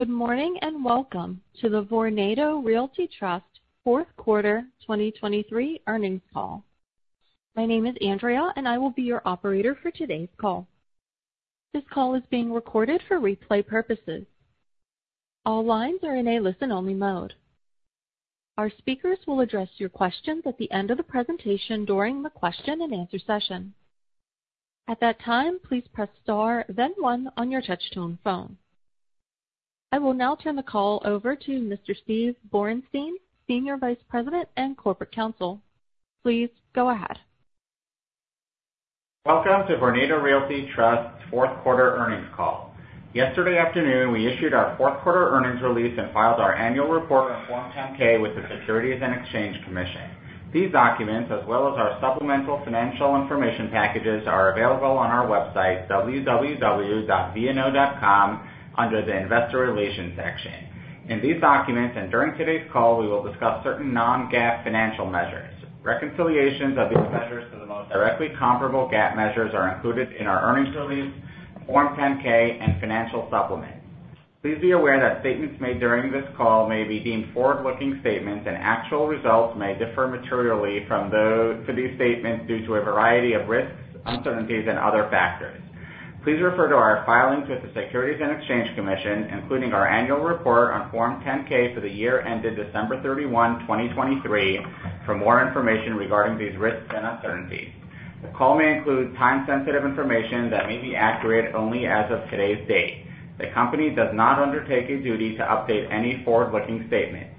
Good morning, and welcome to the Vornado Realty Trust fourth quarter 2023 earnings call. My name is Andrea, and I will be your operator for today's call. This call is being recorded for replay purposes. All lines are in a listen-only mode. Our speakers will address your questions at the end of the presentation during the question and answer session. At that time, please press Star, then one on your touch-tone phone. I will now turn the call over to Mr. Steve Borenstein, Senior Vice President and Corporate Counsel. Please go ahead. Welcome to Vornado Realty Trust fourth quarter earnings call. Yesterday afternoon, we issued our fourth quarter earnings release and filed our annual report on Form 10-K with the Securities and Exchange Commission. These documents, as well as our supplemental financial information packages, are available on our website, www.vno.com, under the investor relations section. In these documents, and during today's call, we will discuss certain non-GAAP financial measures. Reconciliations of these measures to the most directly comparable GAAP measures are included in our earnings release, Form 10-K, and Financial Supplement. Please be aware that statements made during this call may be deemed forward-looking statements, and actual results may differ materially from those to these statements due to a variety of risks, uncertainties, and other factors. Please refer to our filings with the Securities and Exchange Commission, including our annual report on Form 10-K for the year ended December 31, 2023, for more information regarding these risks and uncertainties. The call may include time-sensitive information that may be accurate only as of today's date. The company does not undertake a duty to update any forward-looking statements.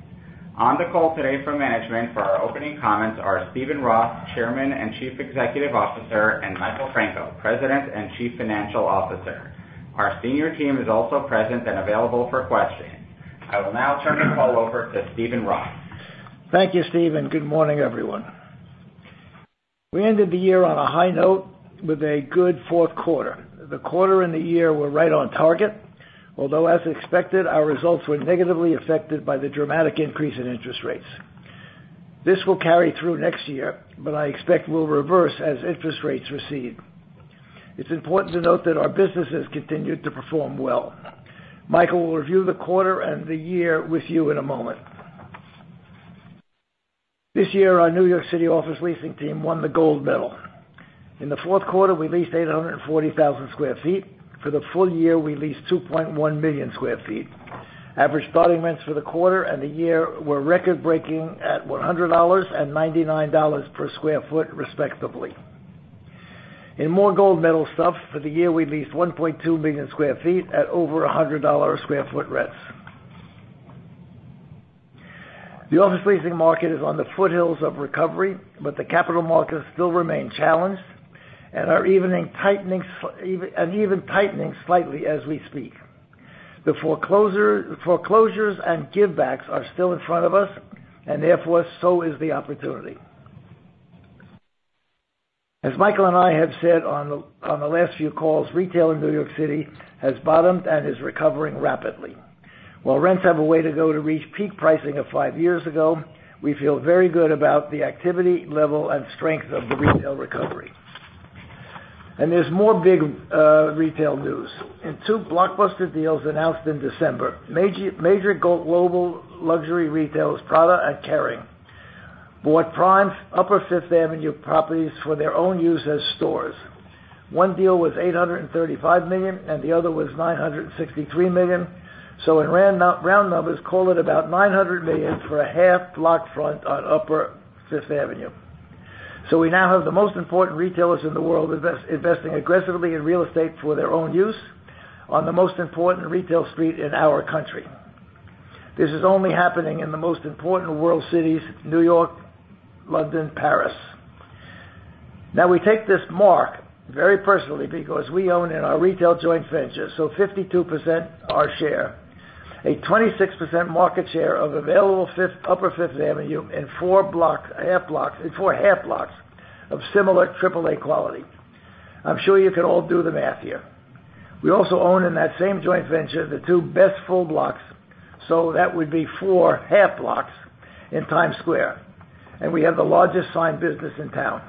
On the call today from management for our opening comments are Steven Roth; Chairman and Chief Executive Officer, and Michael Franco; President and Chief Financial Officer. Our senior team is also present and available for questioning. I will now turn the call over to Steven Roth. Thank you, Steve, and good morning, everyone. We ended the year on a high note with a good fourth quarter. The quarter and the year were right on target, although, as expected, our results were negatively affected by the dramatic increase in interest rates. This will carry through next year, but I expect will reverse as interest rates recede. It's important to note that our business has continued to perform well. Michael will review the quarter and the year with you in a moment. This year, our New York City office leasing team won the gold medal. In the fourth quarter, we leased 840,000 sq ft. For the full year, we leased 2.1 million sq ft. Average starting rents for the quarter and the year were record-breaking at $100 and $99 per sq ft, respectively. In more gold medal stuff, for the year, we leased 1.2 million sq ft at over $100 a sq ft rents. The office leasing market is on the foothills of recovery, but the capital markets still remain challenged and are even tightening slightly as we speak. The foreclosures and givebacks are still in front of us, and therefore, so is the opportunity. As Michael and I have said on the last few calls, retail in New York City has bottomed and is recovering rapidly. While rents have a way to go to reach peak pricing of five years ago, we feel very good about the activity, level, and strength of the retail recovery. And there's more big retail news. In two blockbuster deals announced in December, major global luxury retailers, Prada and Kering, bought prime Upper Fifth Avenue properties for their own use as stores. One deal was $835 million, and the other was $963 million. So in round numbers, call it about $900 million for a half block front on Upper Fifth Avenue. So we now have the most important retailers in the world investing aggressively in real estate for their own use on the most important retail street in our country. This is only happening in the most important world cities, New York, London, Paris. Now, we take this mark very personally because we own in our retail joint ventures, so 52% our share, a 26% market share of available Fifth, Upper Fifth Avenue in four block, half blocks, in four half blocks of similar triple-A quality. I'm sure you can all do the math here. We also own, in that same joint venture, the two best full blocks, so that would be four half blocks in Times Square, and we have the largest signed business in town.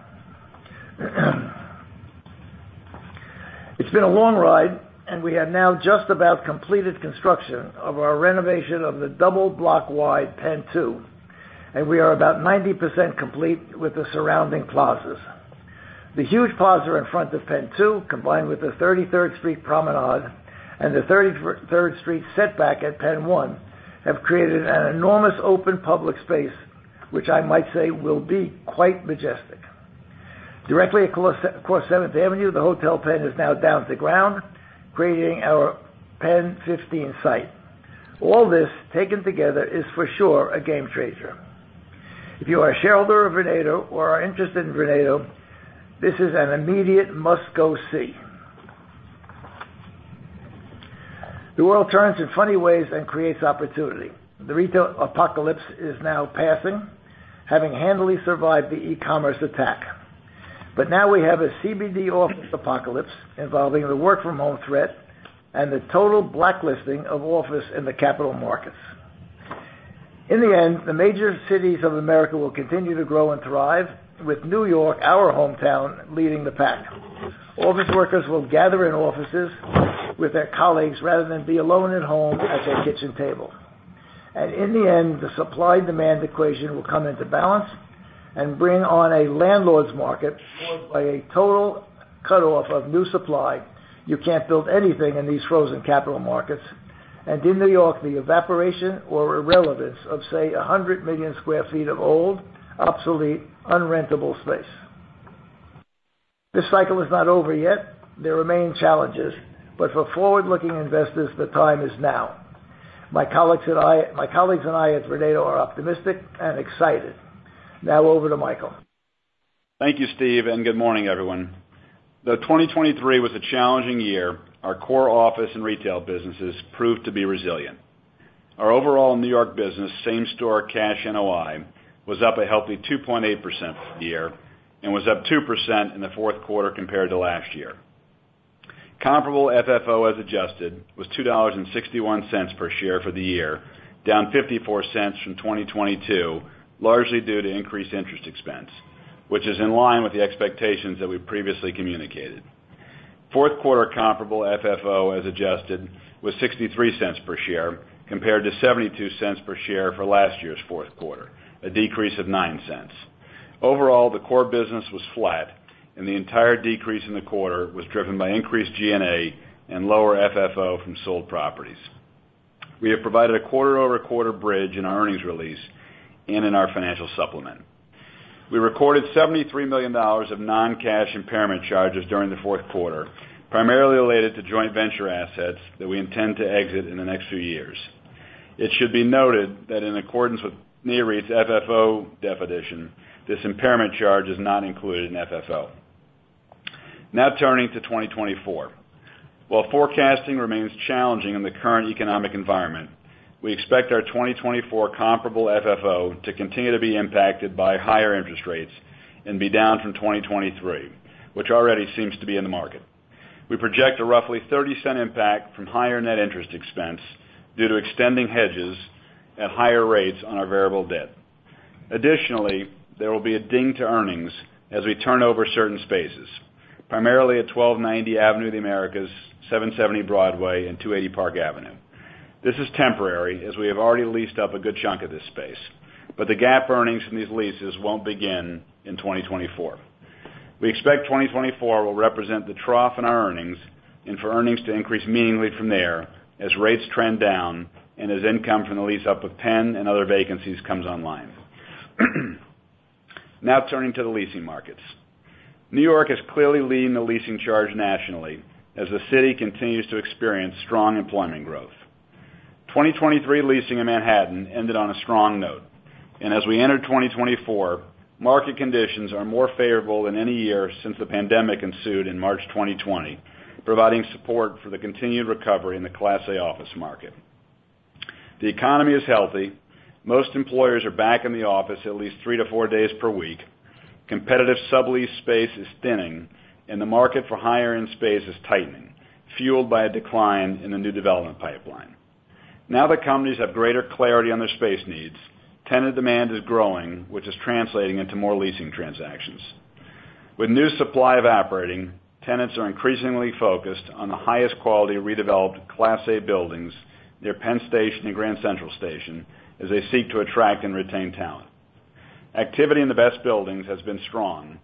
It's been a long ride, and we have now just about completed construction of our renovation of the double block wide PENN 2, and we are about 90% complete with the surrounding plazas. The huge plaza in front of PENN 2, combined with the 33rd Street Promenade and the 33rd Street setback at PENN 1, have created an enormous open public space, which I might say will be quite majestic. Directly across, across 7th Avenue, the Hotel Pennsylvania is now down to the ground, creating our PENN 15 site. All this, taken together, is for sure a game changer. If you are a shareholder of Vornado or are interested in Vornado, this is an immediate must-go-see. The world turns in funny ways and creates opportunity. The retail apocalypse is now passing, having handily survived the e-commerce attack. But now we have a CBD office apocalypse involving the work-from-home threat and the total blacklisting of office in the capital markets. In the end, the major cities of America will continue to grow and thrive, with New York, our hometown, leading the pack. Office workers will gather in offices with their colleagues rather than be alone at home at their kitchen table. In the end, the supply-demand equation will come into balance and bring on a landlord's market followed by a total cutoff of new supply. You can't build anything in these frozen capital markets, and in New York, the evaporation or irrelevance of, say, 100 million sq ft of old, obsolete, unrentable space. This cycle is not over yet. There remain challenges, but for forward-looking investors, the time is now. My colleagues and I at Vornado are optimistic and excited. Now over to Michael. Thank you, Steve, and good morning, everyone. Though 2023 was a challenging year, our core office and retail businesses proved to be resilient. Our overall New York business, same-store cash NOI, was up a healthy 2.8% for the year and was up 2% in the fourth quarter compared to last year. Comparable FFO, as adjusted, was $2.61 per share for the year, down $0.54 from 2022, largely due to increased interest expense, which is in line with the expectations that we previously communicated. Fourth quarter comparable FFO, as adjusted, was $0.63 per share, compared to $0.72 per share for last year's fourth quarter, a decrease of $0.09. Overall, the core business was flat, and the entire decrease in the quarter was driven by increased G&A and lower FFO from sold properties. We have provided a quarter-over-quarter bridge in our earnings release and in our financial supplement. We recorded $73 million of non-cash impairment charges during the fourth quarter, primarily related to joint venture assets that we intend to exit in the next few years. It should be noted that in accordance with NAREIT's FFO definition, this impairment charge is not included in FFO. Now turning to 2024. While forecasting remains challenging in the current economic environment, we expect our 2024 comparable FFO to continue to be impacted by higher interest rates and be down from 2023, which already seems to be in the market. We project a roughly $0.30 impact from higher net interest expense due to extending hedges at higher rates on our variable debt. Additionally, there will be a ding to earnings as we turn over certain spaces, primarily at 1290 Avenue of the Americas, 770 Broadway, and 280 Park Avenue. This is temporary, as we have already leased up a good chunk of this space, but the GAAP earnings from these leases won't begin in 2024. We expect 2024 will represent the trough in our earnings and for earnings to increase meaningfully from there as rates trend down and as income from the lease up with Penn and other vacancies comes online. Now, turning to the leasing markets. New York is clearly leading the leasing charge nationally as the city continues to experience strong employment growth. 2023 leasing in Manhattan ended on a strong note, and as we enter 2024, market conditions are more favorable than any year since the pandemic ensued in March 2020, providing support for the continued recovery in the Class A office market. The economy is healthy. Most employers are back in the office at least three-four days per week. Competitive sublease space is thinning, and the market for higher-end space is tightening, fueled by a decline in the new development pipeline. Now that companies have greater clarity on their space needs, tenant demand is growing, which is translating into more leasing transactions. With new supply evaporating, tenants are increasingly focused on the highest quality redeveloped Class A buildings near Penn Station and Grand Central Terminal as they seek to attract and retain talent. Activity in the best buildings has been strong,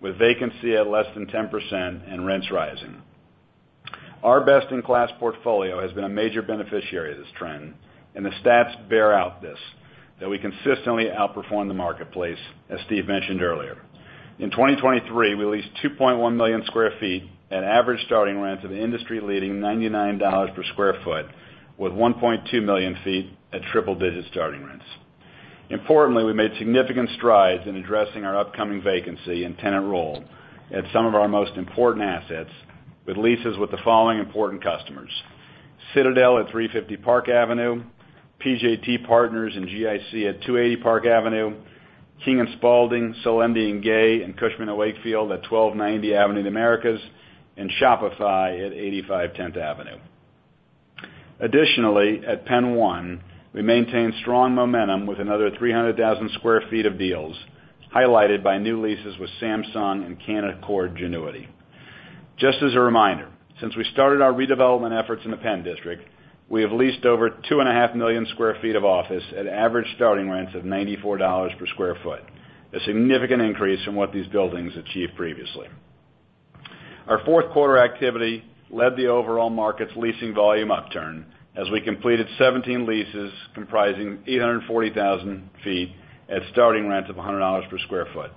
with vacancy at less than 10% and rents rising. Our best-in-class portfolio has been a major beneficiary of this trend, and the stats bear out this, that we consistently outperform the marketplace, as Steve mentioned earlier. In 2023, we leased 2.1 million sq ft at average starting rents of industry-leading $99 per sq ft, with 1.2 million sq ft at triple-digit starting rents. Importantly, we made significant strides in addressing our upcoming vacancy and tenant roll at some of our most important assets, with leases with the following important customers: Citadel at 350 Park Avenue, PJT Partners and GIC at 280 Park Avenue, King & Spalding, Selendy Gay, and Cushman & Wakefield at 1290 Avenue of the Americas, and Shopify at 85 Tenth Avenue. Additionally, at PENN 1, we maintained strong momentum with another 300,000 sq ft of deals, highlighted by new leases with Samsung and Canaccord Genuity. Just as a reminder, since we started our redevelopment efforts in the PENN DISTRICT, we have leased over 2.5 million sq ft of office at average starting rents of $94 per sq ft, a significant increase from what these buildings achieved previously. Our fourth quarter activity led the overall market's leasing volume upturn as we completed 17 leases comprising 840,000 sq ft at starting rents of $100 per sq ft.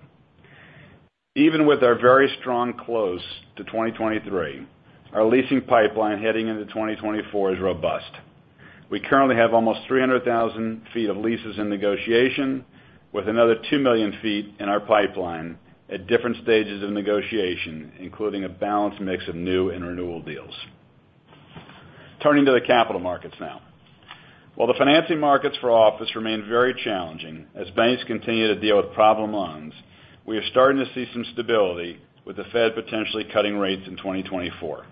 Even with our very strong close to 2023, our leasing pipeline heading into 2024 is robust. We currently have almost 300,000 sq ft of leases in negotiation, with another 2 million sq ft in our pipeline at different stages of negotiation, including a balanced mix of new and renewal deals. Turning to the capital markets now. While the financing markets for office remain very challenging as banks continue to deal with problem loans, we are starting to see some stability, with the Fed potentially cutting rates in 2024.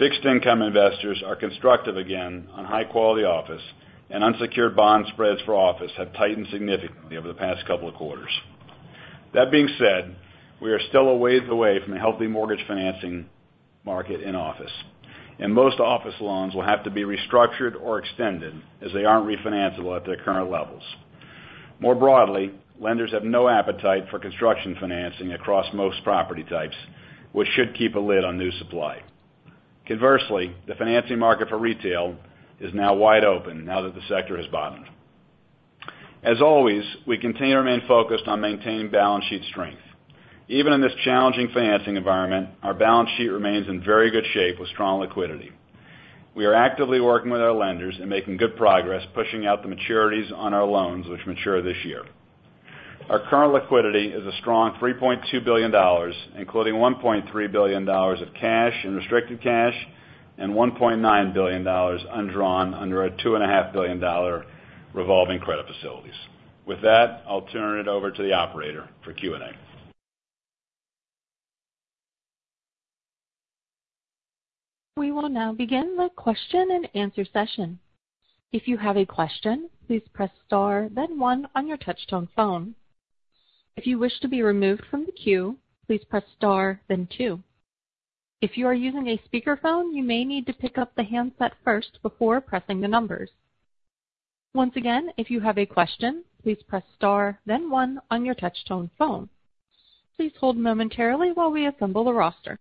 Fixed income investors are constructive again on high-quality office, and unsecured bond spreads for office have tightened significantly over the past couple of quarters. That being said, we are still a ways away from a healthy mortgage financing market in office, and most office loans will have to be restructured or extended as they aren't refinanceable at their current levels. More broadly, lenders have no appetite for construction financing across most property types, which should keep a lid on new supply. Conversely, the financing market for retail is now wide open now that the sector has bottomed. As always, we continue to remain focused on maintaining balance sheet strength. Even in this challenging financing environment, our balance sheet remains in very good shape with strong liquidity. We are actively working with our lenders and making good progress, pushing out the maturities on our loans, which mature this year. Our current liquidity is a strong $3.2 billion, including $1.3 billion of cash and restricted cash, and $1.9 billion undrawn under our $2.5 billion revolving credit facilities. With that, I'll turn it over to the operator for Q&A. We will now begin the question-and-answer session. If you have a question, please press star then one on your touchtone phone. If you wish to be removed from the queue, please press star then two. If you are using a speakerphone, you may need to pick up the handset first before pressing the numbers. Once again, if you have a question, please press star then one on your touchtone phone. Please hold momentarily while we assemble the roster.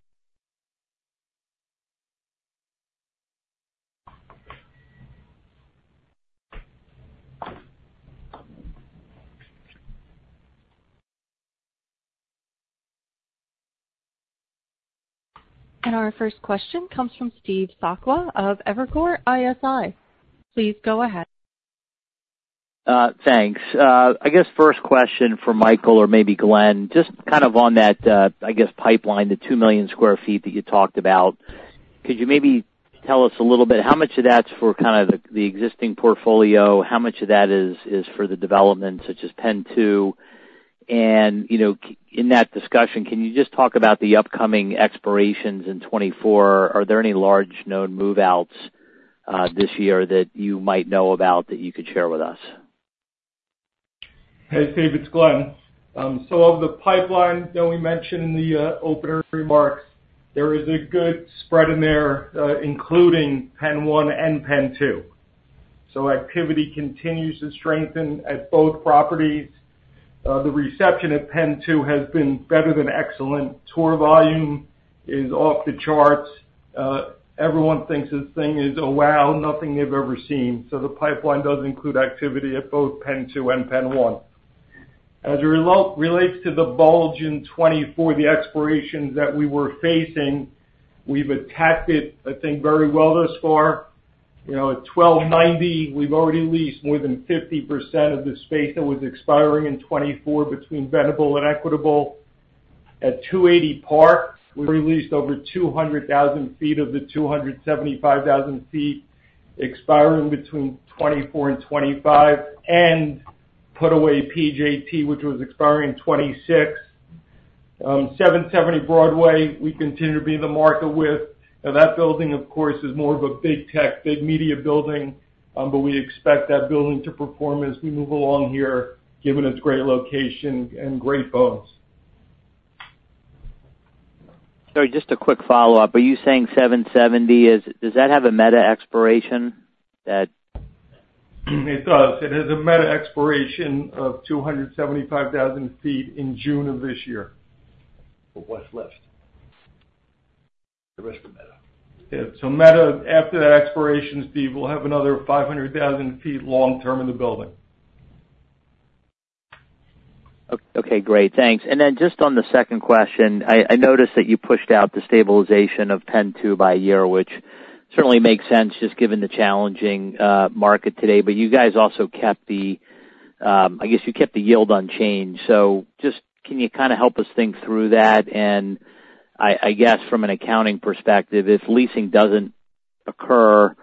And our first question comes from Steve Sakwa of Evercore ISI. Please go ahead. Thanks. I guess first question for Michael or maybe Glen, just kind of on that, I guess, pipeline, the 2 million sq ft that you talked about. Could you maybe tell us a little bit, how much of that's for kind of the, the existing portfolio? How much of that is, is for the development, such as PENN 2? And, you know, in that discussion, can you just talk about the upcoming expirations in 2024? Are there any large known move-outs, this year that you might know about that you could share with us? Hey, Steve, it's Glen. So of the pipeline that we mentioned in the opener's remarks, there is a good spread in there, including PENN 1 and PENN 2. So activity continues to strengthen at both properties. The reception at PENN 2 has been better than excellent. Tour volume is off the charts. Everyone thinks this thing is, oh, wow, nothing they've ever seen. So the pipeline does include activity at both PENN 2 and PENN 1. As it relates to the bulge in 2024, the expirations that we were facing, we've attacked it, I think, very well thus far. You know, at 1290, we've already leased more than 50% of the space that was expiring in 2024 between Ventable and Equitable. At 280 Park, we've leased over 200,000 sq ft of the 275,000 sq ft expiring between 2024 and 2025, and put away PJT, which was expiring in 2026. In 770 Broadway, we continue to be in the market with. Now, that building, of course, is more of a big tech, big media building, but we expect that building to perform as we move along here, given its great location and great bones. Sorry, just a quick follow-up. Are you saying 770, does that have a Meta expiration that- It does. It has a Meta expiration of 275,000 sq ft in June of this year. What's left? The rest of Meta. Yeah, so Meta, after that expiration, Steve, we'll have another 500,000 sq ft long-term in the building. Okay, great. Thanks. And then just on the second question, I noticed that you pushed out the stabilization of PENN 2 by a year, which certainly makes sense, just given the challenging market today. But you guys also kept the, I guess, you kept the yield unchanged. So just can you kind of help us think through that? And I guess from an accounting perspective, if leasing doesn't occur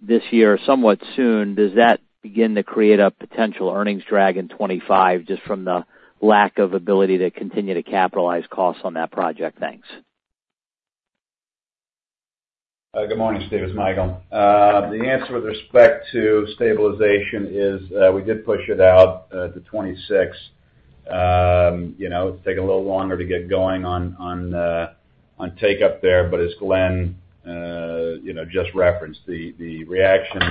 this year, somewhat soon, does that begin to create a potential earnings drag in 2025, just from the lack of ability to continue to capitalize costs on that project? Thanks. Good morning, Steve, it's Michael. The answer with respect to stabilization is, we did push it out to 2026. You know, it's taking a little longer to get going on take up there, but as Glen you know just referenced, the reaction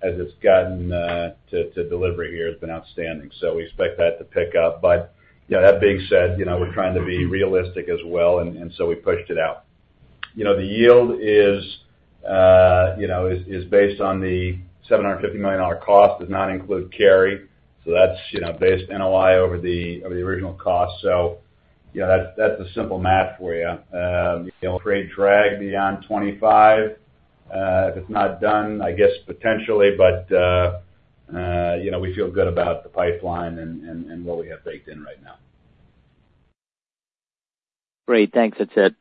as it's gotten to delivery here has been outstanding. So we expect that to pick up. But, you know, that being said, you know, we're trying to be realistic as well, and so we pushed it out. You know, the yield is, you know, is based on the $750 million cost, does not include carry. So that's, you know, based NOI over the original cost. So, yeah, that's a simple math for you. You know, create drag beyond 2025, if it's not done, I guess, potentially, but, you know, we feel good about the pipeline and what we have baked in right now. Great. Thanks. That's it.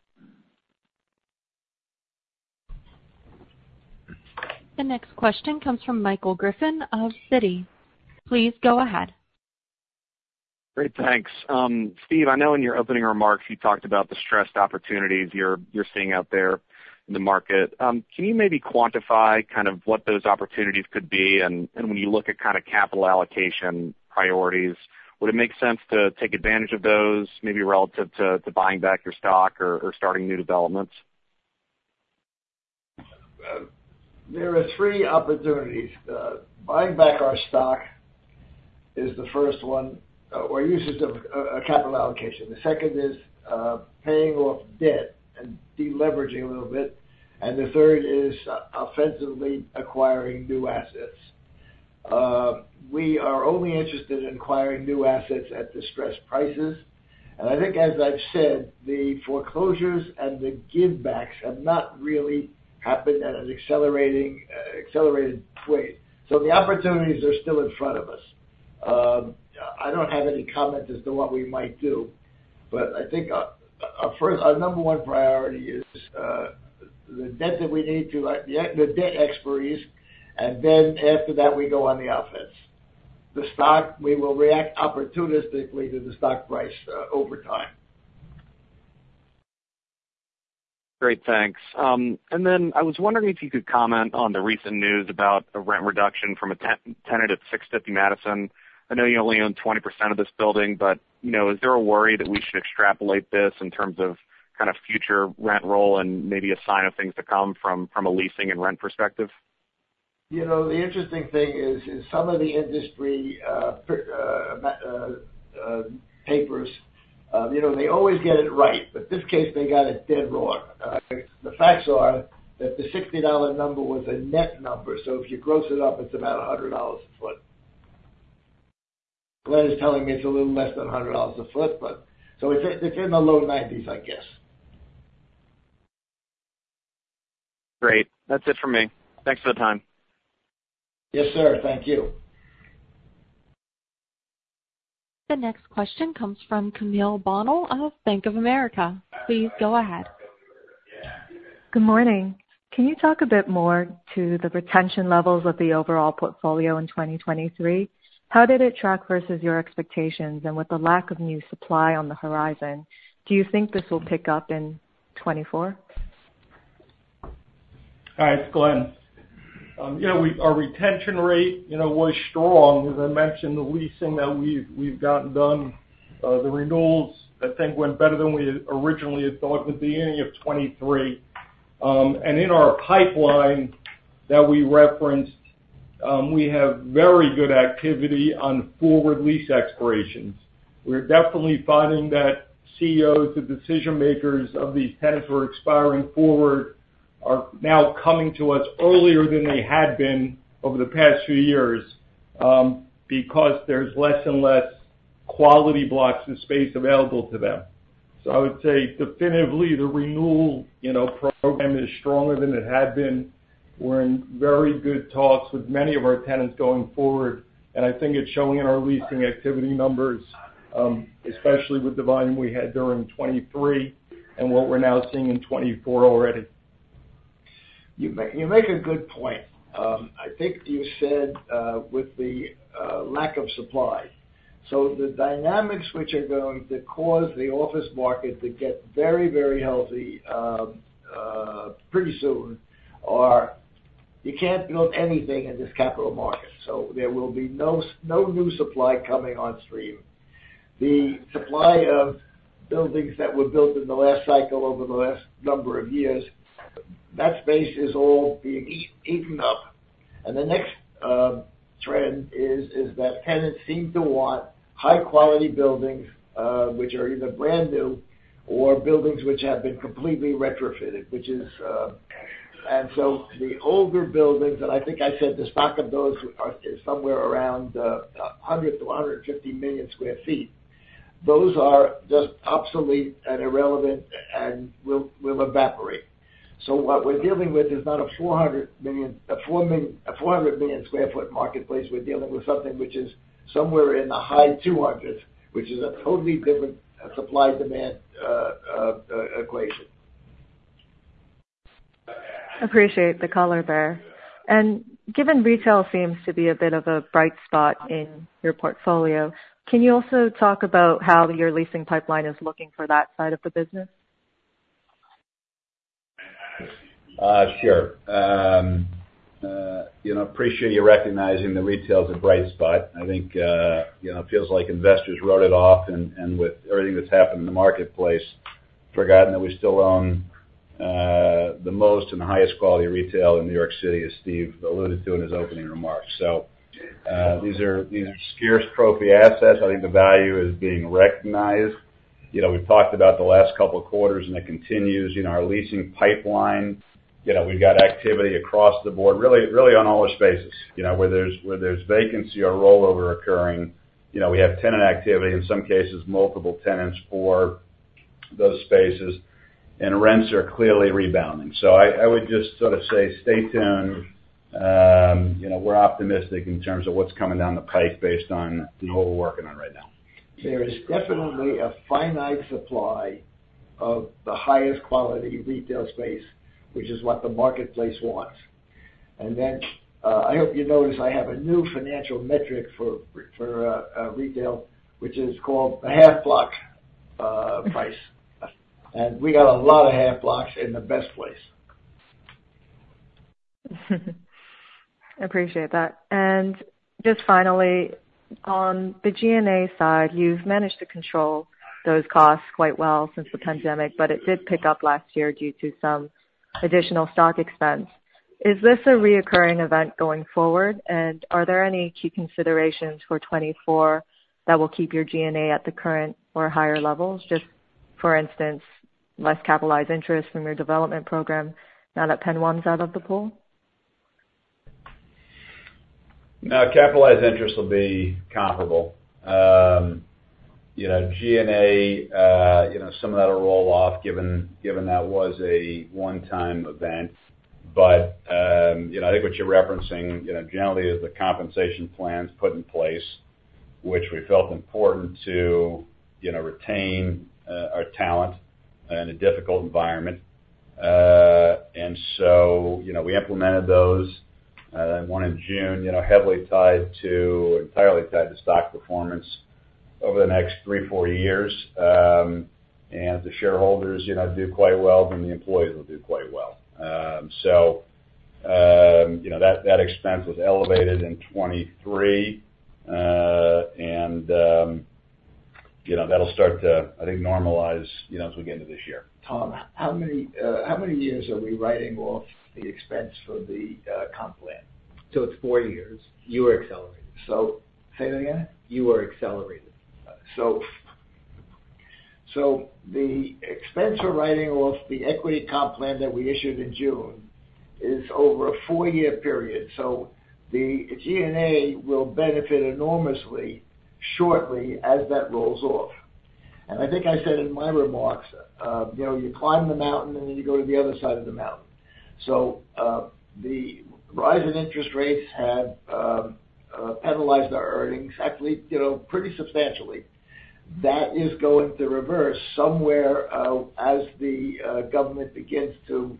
The next question comes from Michael Griffin of Citi. Please go ahead. Great. Thanks. Steve, I know in your opening remarks, you talked about the stressed opportunities you're seeing out there in the market. Can you maybe quantify kind of what those opportunities could be? And when you look at kind of capital allocation priorities, would it make sense to take advantage of those, maybe relative to buying back your stock or starting new developments? There are three opportunities. Buying back our stock is the first one, or uses of capital allocation. The second is paying off debt and deleveraging a little bit, and the third is offensively acquiring new assets. We are only interested in acquiring new assets at distressed prices, and I think, as I've said, the foreclosures and the give backs have not really happened at an accelerating, accelerated pace. So the opportunities are still in front of us. I don't have any comment as to what we might do, but I think our number one priority is the debt expiries, and then after that, we go on the offense. The stock, we will react opportunistically to the stock price over time. Great, thanks. And then I was wondering if you could comment on the recent news about a rent reduction from a tenant at 650 Madison Avenue. I know you only own 20% of this building, but, you know, is there a worry that we should extrapolate this in terms of kind of future rent roll and maybe a sign of things to come from a leasing and rent perspective? You know, the interesting thing is, some of the industry papers, you know, they always get it right, but in this case, they got it dead wrong. The facts are, that the $60 number was a net number, so if you gross it up, it's about $100 a foot. Glen is telling me it's a little less than $100 a foot, but... So it's, it's in the low 90s, I guess. Great. That's it for me. Thanks for the time. Yes, sir. Thank you. The next question comes from Camille Bonnel of Bank of America. Please go ahead. Good morning. Can you talk a bit more to the retention levels of the overall portfolio in 2023? How did it track versus your expectations, and with the lack of new supply on the horizon, do you think this will pick up in 2024? Hi, it's Glen. You know, our retention rate, you know, was strong. As I mentioned, the leasing that we've gotten done, the renewals, I think went better than we originally had thought at the beginning of 2023. And in our pipeline that we referenced, we have very good activity on forward lease expirations. We're definitely finding that CEOs and decision makers of these tenants who are expiring forward, are now coming to us earlier than they had been over the past few years, because there's less and less quality blocks and space available to them. So I would say definitively, the renewal, you know, program is stronger than it had been. We're in very good talks with many of our tenants going forward, and I think it's showing in our leasing activity numbers, especially with the volume we had during 2023 and what we're now seeing in 2024 already. You make a good point. I think you said, with the lack of supply. So the dynamics which are going to cause the office market to get very, very healthy, pretty soon, are you can't build anything in this capital market, so there will be no new supply coming on stream. The supply of buildings that were built in the last cycle, over the last number of years, that space is all being eaten up. And the next trend is that tenants seem to want high-quality buildings, which are either brand new or buildings which have been completely retrofitted, which is the older buildings, and I think I said the stock of those are somewhere around 100-150 million sq ft, those are just obsolete and irrelevant and will evaporate. So what we're dealing with is not a 400 million, a 4 million—a 400 million sq ft marketplace. We're dealing with something which is somewhere in the high 200s, which is a totally different supply-demand equation. Appreciate the color there. Given retail seems to be a bit of a bright spot in your portfolio, can you also talk about how your leasing pipeline is looking for that side of the business? Sure. You know, appreciate you recognizing the retail is a bright spot. I think, you know, it feels like investors wrote it off and, and with everything that's happened in the marketplace, forgotten that we still own the most and highest quality retail in New York City, as Steve alluded to in his opening remarks. So, these are, these are scarce trophy assets. I think the value is being recognized. You know, we've talked about the last couple of quarters, and it continues. You know, our leasing pipeline, you know, we've got activity across the board, really, really on all our spaces, you know, where there's, where there's vacancy or rollover occurring, you know, we have tenant activity, in some cases, multiple tenants for those spaces, and rents are clearly rebounding. So I, I would just sort of say, stay tuned— you know, we're optimistic in terms of what's coming down the pike based on, you know, what we're working on right now. There is definitely a finite supply of the highest quality retail space, which is what the marketplace wants. And then, I hope you notice I have a new financial metric for retail, which is called the half block price. And we got a lot of half blocks in the best place. Appreciate that. And just finally, on the G&A side, you've managed to control those costs quite well since the pandemic, but it did pick up last year due to some additional stock expense. Is this a recurring event going forward? And are there any key considerations for 2024 that will keep your G&A at the current or higher levels? Just for instance, less capitalized interest from your development program now that PENN 1 out of the pool. No, capitalized interest will be comparable. You know, G&A, you know, some of that'll roll off, given that was a one-time event. But, you know, I think what you're referencing, you know, generally is the compensation plans put in place, which we felt important to, you know, retain our talent in a difficult environment. And so, you know, we implemented those, one in June, you know, heavily tied to... entirely tied to stock performance over the next three-four years. And if the shareholders, you know, do quite well, then the employees will do quite well. So, you know, that expense was elevated in 2023. And, you know, that'll start to, I think, normalize, you know, as we get into this year. Tom, how many, how many years are we writing off the expense for the, comp plan? So it's four years. You were accelerated. So say that again? You were accelerated. So, so the expense for writing off the equity comp plan that we issued in June is over a four-year period. So the G&A will benefit enormously, shortly, as that rolls off. And I think I said in my remarks, you know, you climb the mountain and then you go to the other side of the mountain. So, the rise in interest rates have penalized our earnings actually, you know, pretty substantially. That is going to reverse somewhere, as the government begins to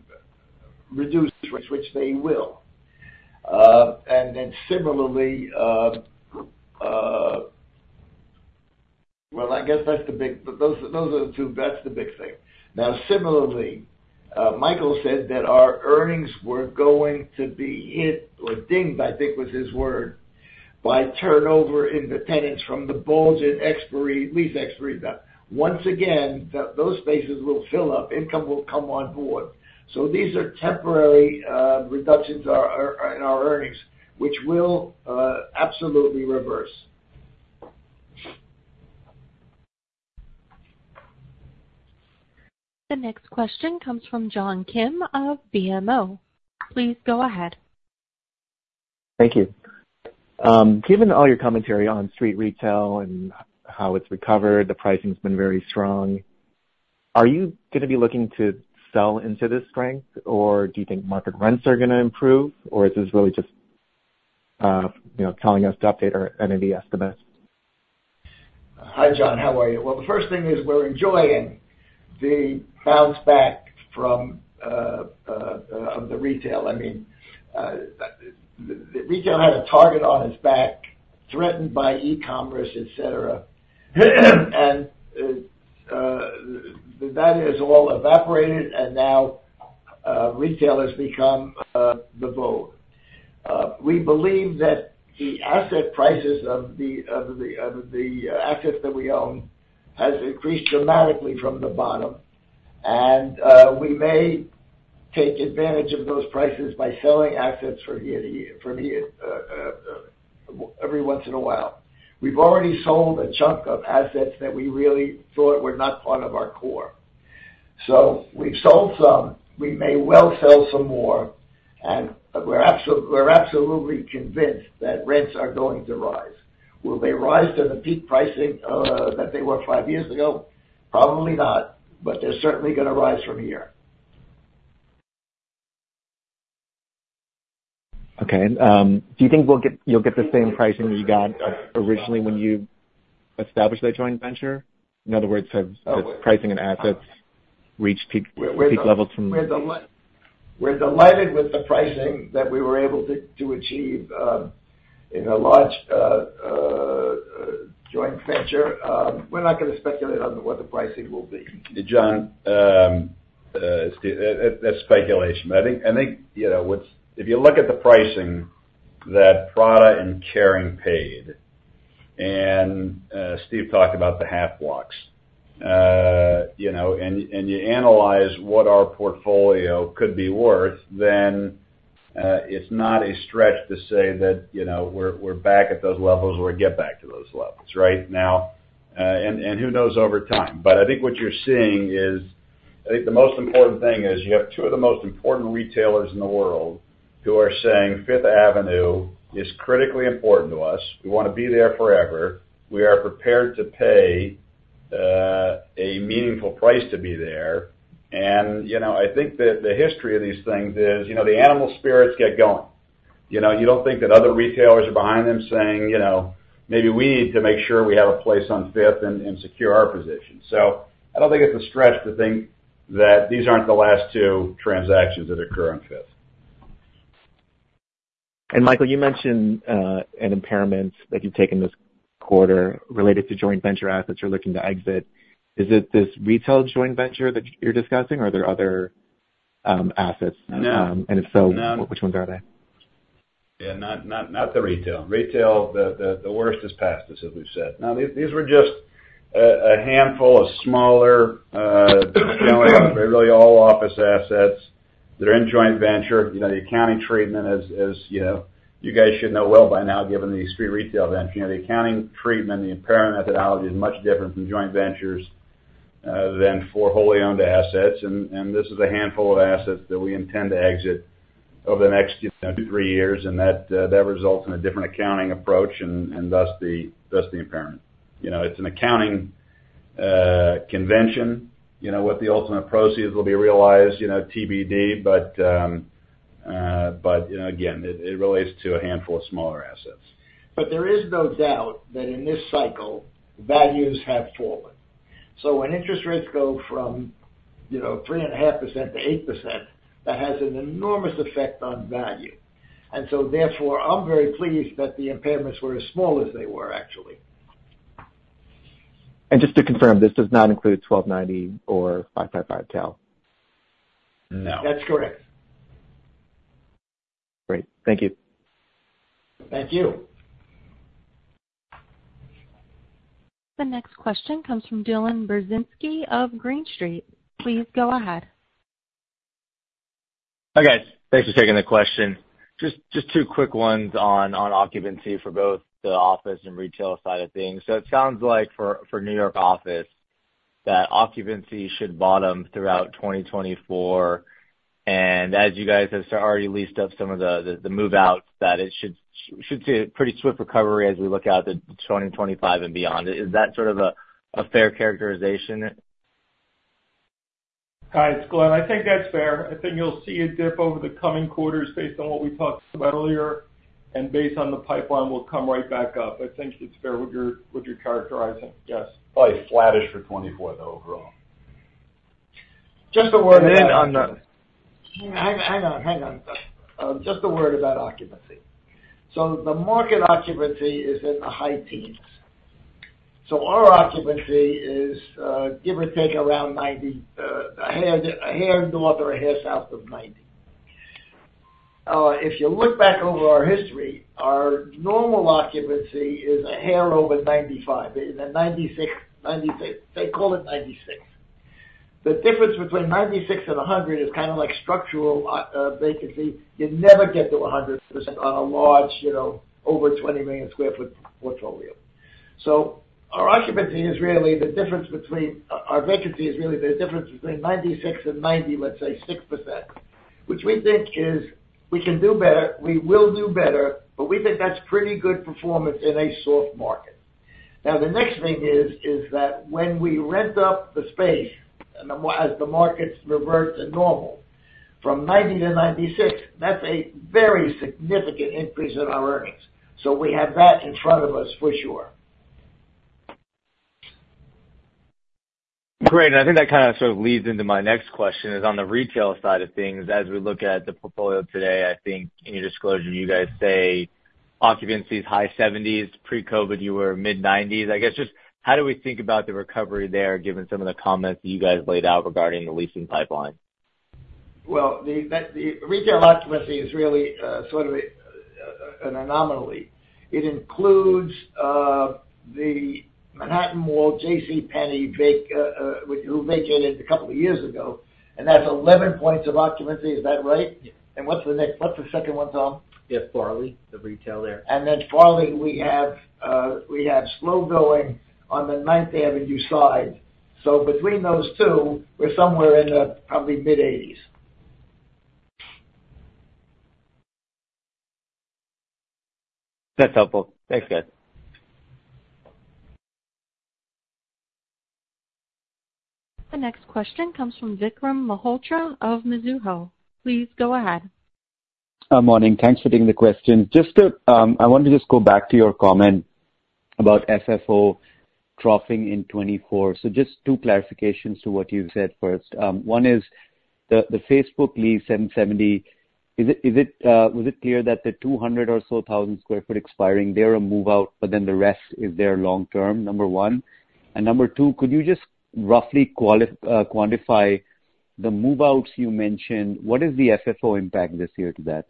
reduce rates, which they will. And then similarly... Well, I guess that's the big- those, those are the two, that's the big thing. Now, similarly, Michael said that our earnings were going to be hit, or dinged, I think was his word, by turnover in the tenants from the bulge in expiry, lease expiry. But once again, those spaces will fill up, income will come on board. So these are temporary, reductions in our, in our earnings, which will, absolutely reverse. The next question comes from John Kim of BMO. Please go ahead. Thank you. Given all your commentary on street retail and how it's recovered, the pricing's been very strong, are you gonna be looking to sell into this strength, or do you think market rents are gonna improve, or is this really just, you know, telling us to update our NAV estimates? Hi, John. How are you? Well, the first thing is we're enjoying the bounce back from of the retail. I mean, the retail had a target on its back, threatened by e-commerce, etc.. And that has all evaporated, and now retail has become the vogue. We believe that the asset prices of the assets that we own has increased dramatically from the bottom, and we may take advantage of those prices by selling assets from year to year, every once in a while. We've already sold a chunk of assets that we really thought were not part of our core. So we've sold some, we may well sell some more, and we're absolutely convinced that rents are going to rise. Will they rise to the peak pricing, that they were five years ago? Probably not, but they're certainly gonna rise from here. Okay, do you think we'll get—you'll get the same pricing that you got originally when you established a joint venture? In other words, have the pricing and assets reached peak, peak levels from- We're delighted with the pricing that we were able to achieve in a large joint venture. We're not gonna speculate on what the pricing will be. John, Steve, that's speculation, but I think, I think, you know, what's... If you look at the pricing that Prada and Kering paid, and, Steve talked about the half blocks, you know, and, and you analyze what our portfolio could be worth, then, it's not a stretch to say that, you know, we're, we're back at those levels or get back to those levels, right? Now, and, and who knows over time. But I think what you're seeing is... I think the most important thing is you have two of the most important retailers in the world, who are saying: Fifth Avenue is critically important to us. We want to be there forever. We are prepared to pay-... a meaningful price to be there. You know, I think that the history of these things is, you know, the animal spirits get going. You know, you don't think that other retailers are behind them saying, you know, "Maybe we need to make sure we have a place on Fifth and secure our position." So I don't think it's a stretch to think that these aren't the last two transactions that occur on Fifth. Michael, you mentioned an impairment that you've taken this quarter related to joint venture assets you're looking to exit. Is it this retail joint venture that you're discussing, or are there other assets? No. And if so- No. Which ones are they? Yeah. Not, not, not the retail. Retail, the worst is past us, as we've said. Now, these were just a handful of smaller, really all office assets that are in joint venture. You know, the accounting treatment, as you know, you guys should know well by now, given the street retail venture, you know, the accounting treatment, the impairment methodology is much different from joint ventures than for wholly owned assets. And this is a handful of assets that we intend to exit over the next, you know, two, three years, and that results in a different accounting approach, and thus the impairment. You know, it's an accounting convention, you know, what the ultimate proceeds will be realized, you know, TBD, but, but you know, again, it relates to a handful of smaller assets. There is no doubt that in this cycle, values have fallen. When interest rates go from, you know, 3.5% to 8%, that has an enormous effect on value. So therefore, I'm very pleased that the impairments were as small as they were actually. Just to confirm, this does not include 1290 or 555 Cal? No. That's correct. Great. Thank you. Thank you. The next question comes from Dylan Burzinski of Green Street. Please go ahead. Hi, guys. Thanks for taking the question. Just two quick ones on occupancy for both the office and retail side of things. So it sounds like for New York office, that occupancy should bottom throughout 2024, and as you guys have already leased up some of the move-outs, that it should see a pretty swift recovery as we look out at the 2025 and beyond. Is that sort of a fair characterization? Hi, it's Glen. I think that's fair. I think you'll see a dip over the coming quarters based on what we talked about earlier, and based on the pipeline, we'll come right back up. I think it's fair what you're, what you're characterizing. Yes. Probably flattish for 2024 though, overall. Just a word in on the- Hang on. Hang on. Just a word about occupancy. So the market occupancy is in the high teens. So our occupancy is, give or take, around 90, a hair, a hair north or a hair south of 90. If you look back over our history, our normal occupancy is a hair over 95, in the 96, say, call it 96. The difference between 96 and 100 is kind of like structural vacancy. You never get to 100% on a large, you know, over 20 million sq ft portfolio. So our occupancy is really the difference between... our vacancy is really the difference between 96 and 90, let's say 6%, which we think is, we can do better, we will do better, but we think that's pretty good performance in a soft market. Now, the next thing is that when we rent up the space, and as the markets revert to normal, from 90%-96%, that's a very significant increase in our earnings. So we have that in front of us for sure. Great. And I think that kind of sort of leads into my next question, is on the retail side of things. As we look at the portfolio today, I think in your disclosure, you guys say, occupancy is high 70s, pre-COVID, you were mid-90s. I guess just how do we think about the recovery there, given some of the comments you guys laid out regarding the leasing pipeline? Well, the retail occupancy is really sort of an anomaly. It includes the Manhattan Mall, JCPenney, who vacated a couple of years ago, and that's 11 points of occupancy. Is that right? Yeah. What's the second one, Tom? Yeah, Farley, the retail there. Then the Farley, we have slow going on the Ninth Avenue side. So between those two, we're somewhere in the, probably, mid-80s. That's helpful. Thanks, guys. The next question comes from Vikram Malhotra of Mizuho. Please go ahead. Morning. Thanks for taking the question. Just to, I want to just go back to your comment about FFO dropping in 2024. So just two clarifications to what you've said first. One is the Facebook lease, 770, was it clear that the 200,000 or so sq ft expiring, they're a move-out, but then the rest is their long-term? Number one. And number two, could you just roughly quantify the move-outs you mentioned? What is the FFO impact this year to that?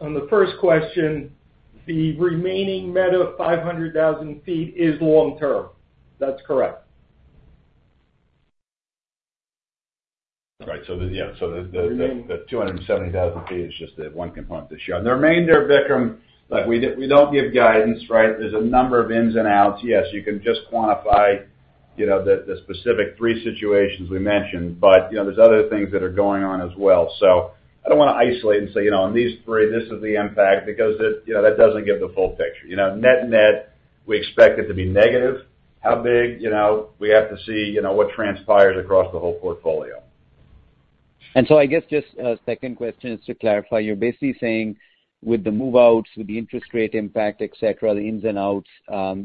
On the first question, the remaining Meta, 500,000 sq ft is long term. That's correct. Right. So the 270,000 sq ft is just the one component this year. And the remainder, Vikram, look, we don't give guidance, right? There's a number of ins and outs. Yes, you can just quantify—you know, the specific three situations we mentioned, but, you know, there's other things that are going on as well. So I don't wanna isolate and say, you know, on these three, this is the impact, because it, you know, that doesn't give the full picture. You know, net-net, we expect it to be negative. How big? You know, we have to see, you know, what transpires across the whole portfolio. And so I guess just a second question is to clarify, you're basically saying, with the move-outs, with the interest rate impact, et cetera, the ins and outs,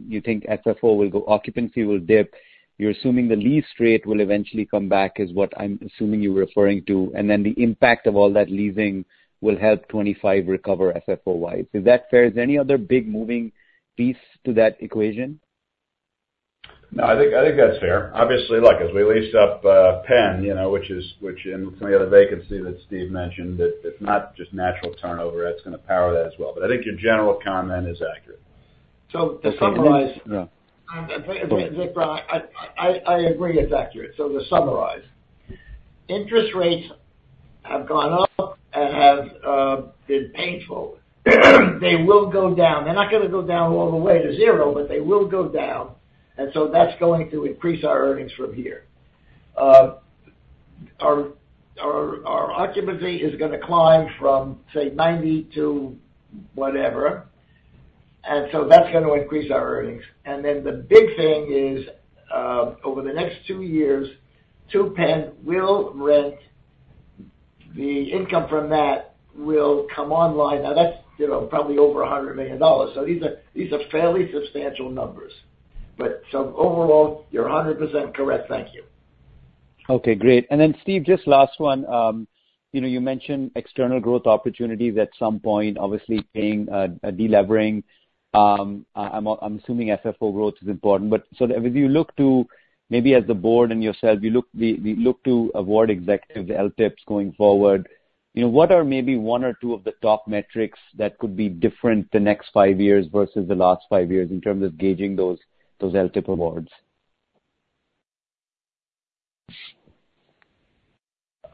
you think FFO will go... occupancy will dip. You're assuming the lease rate will eventually come back, is what I'm assuming you were referring to, and then the impact of all that leasing will help 2025 recover FFO-wide. Is that fair? Is there any other big moving piece to that equation? No, I think, I think that's fair. Obviously, look, as we lease up Penn, you know, which in some of the other vacancy that Steve mentioned, that if not just natural turnover, that's gonna power that as well. But I think your general comment is accurate. To summarize- Yeah. Vikram, I agree it's accurate. So to summarize, interest rates have gone up and have been painful. They will go down. They're not gonna go down all the way to zero, but they will go down, and so that's going to increase our earnings from here. Our occupancy is gonna climb from, say, 90 to whatever, and so that's going to increase our earnings. And then the big thing is, over the next two years, PENN 2 will rent. The income from that will come online. Now, that's, you know, probably over $100 million. So these are fairly substantial numbers. But so overall, you're 100% correct. Thank you. Okay, great. And then, Steve, just last one. You know, you mentioned external growth opportunities at some point, obviously, paying a delivering. I'm assuming FFO growth is important, but so as you look to, maybe as the board and yourself, you look to award executives, the LTIPs, going forward, you know, what are maybe one or two of the top metrics that could be different the next five years versus the last five years in terms of gauging those LTIP awards?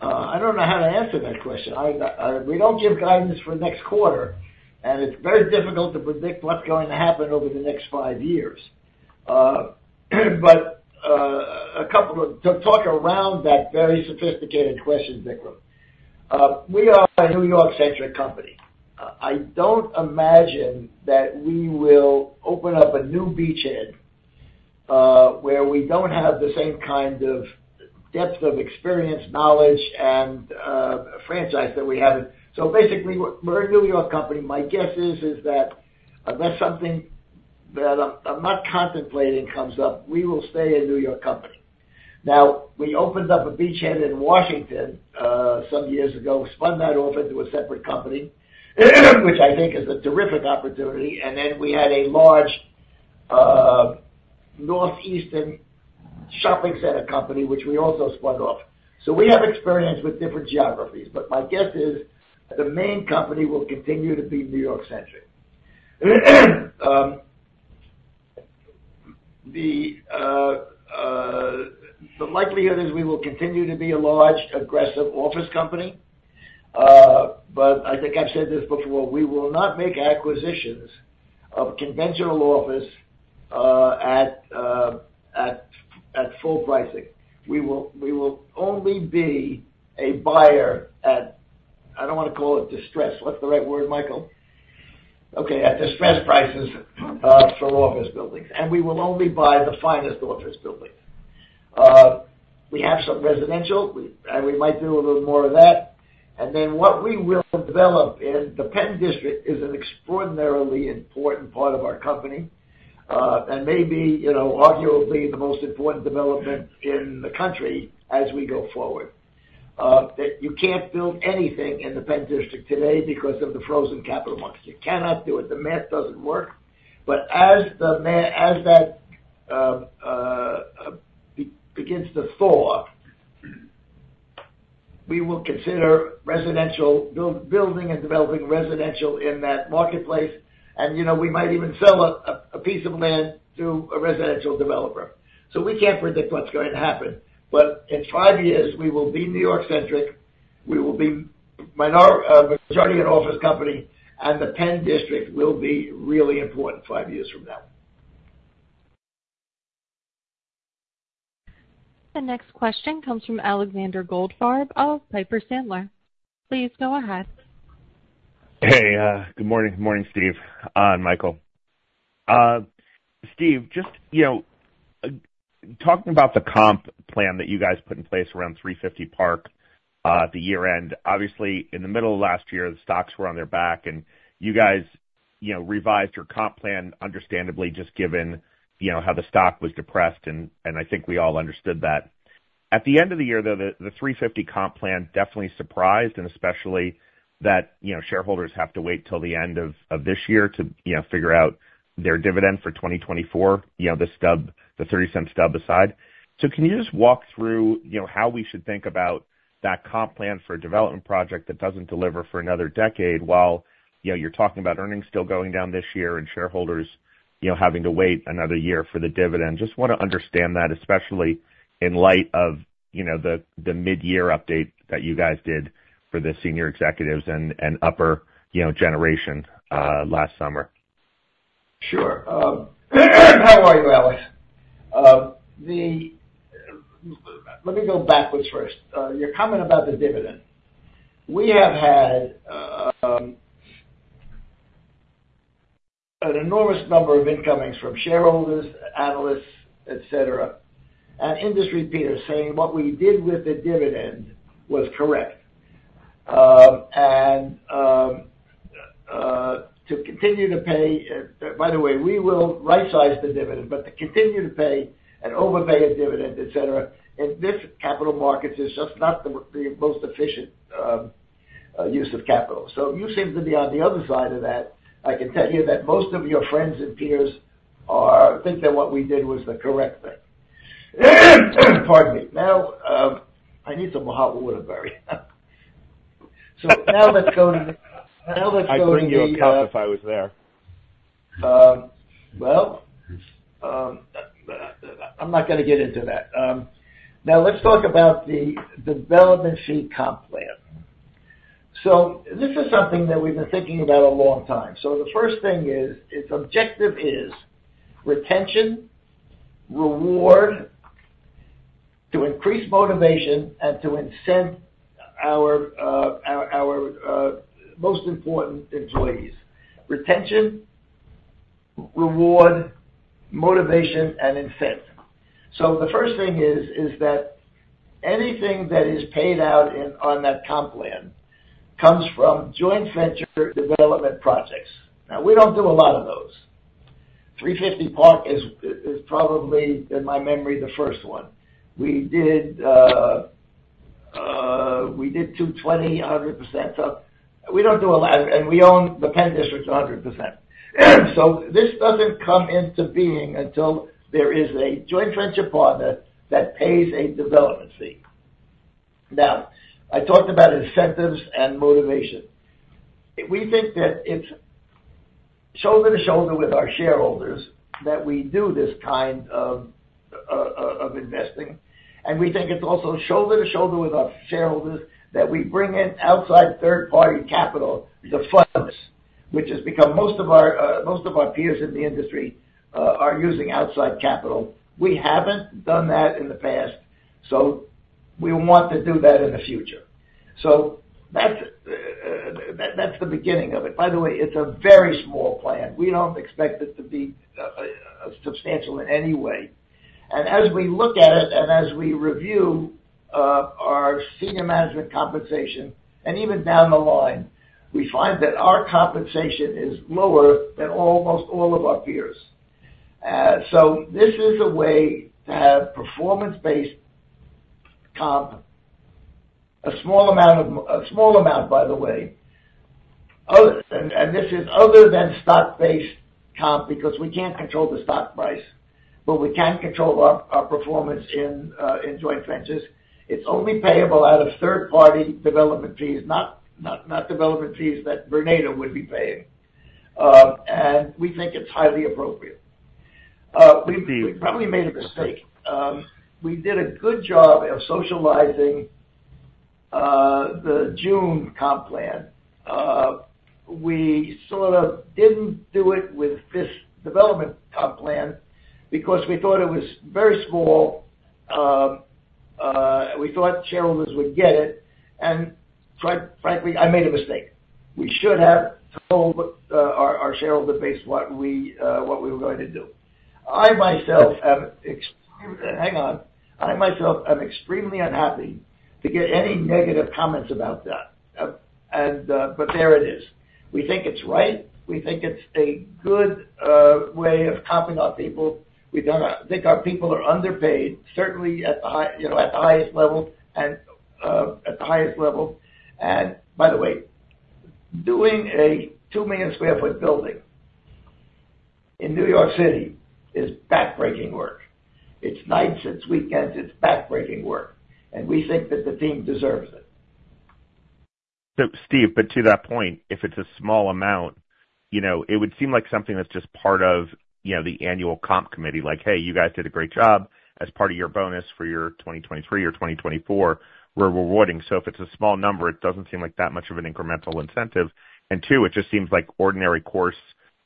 I don't know how to answer that question. I, we don't give guidance for next quarter, and it's very difficult to predict what's going to happen over the next five years. But to talk around that very sophisticated question, Vikram. We are a New York-centric company. I don't imagine that we will open up a new beachhead, where we don't have the same kind of depth of experience, knowledge, and, franchise that we have. So basically, we're, we're a New York company. My guess is, is that, unless something that I'm, I'm not contemplating comes up, we will stay a New York company. Now, we opened up a beachhead in Washington, some years ago, spun that off into a separate company, which I think is a terrific opportunity. Then we had a large, northeastern shopping center company, which we also spun off. So we have experience with different geographies, but my guess is the main company will continue to be New York-centric. The likelihood is we will continue to be a large, aggressive office company. But I think I've said this before, we will not make acquisitions of conventional office at full pricing. We will only be a buyer at, I don't want to call it distress. What's the right word, Michael? Okay, at distressed prices for office buildings, and we will only buy the finest office buildings. We have some residential, and we might do a little more of that. And then what we will develop in the PENN DISTRICT is an extraordinarily important part of our company, and maybe, you know, arguably the most important development in the country as we go forward. That you can't build anything in the PENN DISTRICT today because of the frozen capital markets. You cannot do it. The math doesn't work. But as that begins to thaw, we will consider residential building and developing residential in that marketplace. And, you know, we might even sell a piece of land to a residential developer. So we can't predict what's going to happen, but in five years, we will be New York-centric, we will be a majority office company, and the PENN DISTRICT will be really important five years from now. The next question comes from Alexander Goldfarb of Piper Sandler. Please go ahead. Hey, good morning. Good morning, Steve, and Michael. Steve, just, you know, talking about the comp plan that you guys put in place around 350 Park Avenue, at the year-end. Obviously, in the middle of last year, the stocks were on their back and you guys, you know, revised your comp plan, understandably, just given, you know, how the stock was depressed and, and I think we all understood that. At the end of the year, though, the, the 350 Park Avenue comp plan definitely surprised, and especially that, you know, shareholders have to wait till the end of, of this year to, you know, figure out their dividend for 2024, you know, the stub, the $0.30 stub aside. So can you just walk through, you know, how we should think about that comp plan for a development project that doesn't deliver for another decade, while, you know, you're talking about earnings still going down this year and shareholders, you know, having to wait another year for the dividend? Just want to understand that, especially in light of, you know, the, the mid-year update that you guys did for the senior executives and, and upper, you know, generation last summer. Sure. How are you, Alex? Let me go backwards first. Your comment about the dividend. We have had an enormous number of incomings from shareholders, analysts, et cetera, and industry peers saying what we did with the dividend was correct. To continue to pay, by the way, we will rightsize the dividend, but to continue to pay and overpay a dividend, et cetera, in this capital markets, is just not the most efficient use of capital. So you seem to be on the other side of that. I can tell you that most of your friends and peers think that what we did was the correct thing. Pardon me. Now, I need some my holy water. So now let's go to the. I'd bring you a cup if I was there. Well, I'm not gonna get into that. Now let's talk about the development fee comp plan. So this is something that we've been thinking about a long time. So the first thing is, its objective is retention, reward, to increase motivation, and to incent our most important employees. Retention, reward, motivation, and incent. So the first thing is that anything that is paid out in, on that comp plan, comes from joint venture development projects. Now, we don't do a lot of those. 350 Park is probably, in my memory, the first one. We did 220, 100%. So we don't do a lot, and we own the PENN DISTRICT 100%. So this doesn't come into being until there is a joint venture partner that pays a development fee. Now, I talked about incentives and motivation. We think that it's shoulder to shoulder with our shareholders, that we do this kind of, of investing, and we think it's also shoulder to shoulder with our shareholders, that we bring in outside third-party capital to fund us, which has become most of our, most of our peers in the industry, are using outside capital. We haven't done that in the past, so we want to do that in the future. So that's, that, that's the beginning of it. By the way, it's a very small plan. We don't expect it to be, substantial in any way. And as we look at it, and as we review, our senior management compensation, and even down the line, we find that our compensation is lower than almost all of our peers. So this is a way to have performance-based comp, a small amount, a small amount, by the way. And this is other than stock-based comp, because we can't control the stock price, but we can control our performance in joint ventures. It's only payable out of third-party development fees, not development fees that Vornado would be paying. And we think it's highly appropriate. We probably made a mistake. We did a good job of socializing the June comp plan. We sort of didn't do it with this development comp plan because we thought it was very small. We thought shareholders would get it, and frankly, I made a mistake. We should have told our shareholder base what we were going to do. I myself am ex- Hang on. I myself am extremely unhappy to get any negative comments about that. But there it is. We think it's right. We think it's a good way of comping our people. We do not think our people are underpaid, certainly at the high, you know, at the highest level and at the highest level. And by the way, doing a 2 million sq ft building in New York City is backbreaking work. It's nights, it's weekends, it's backbreaking work, and we think that the team deserves it. So, Steve, but to that point, if it's a small amount, you know, it would seem like something that's just part of, you know, the annual comp committee. Like, "Hey, you guys did a great job. As part of your bonus for your 2023 or 2024, we're rewarding." So if it's a small number, it doesn't seem like that much of an incremental incentive. And two, it just seems like ordinary course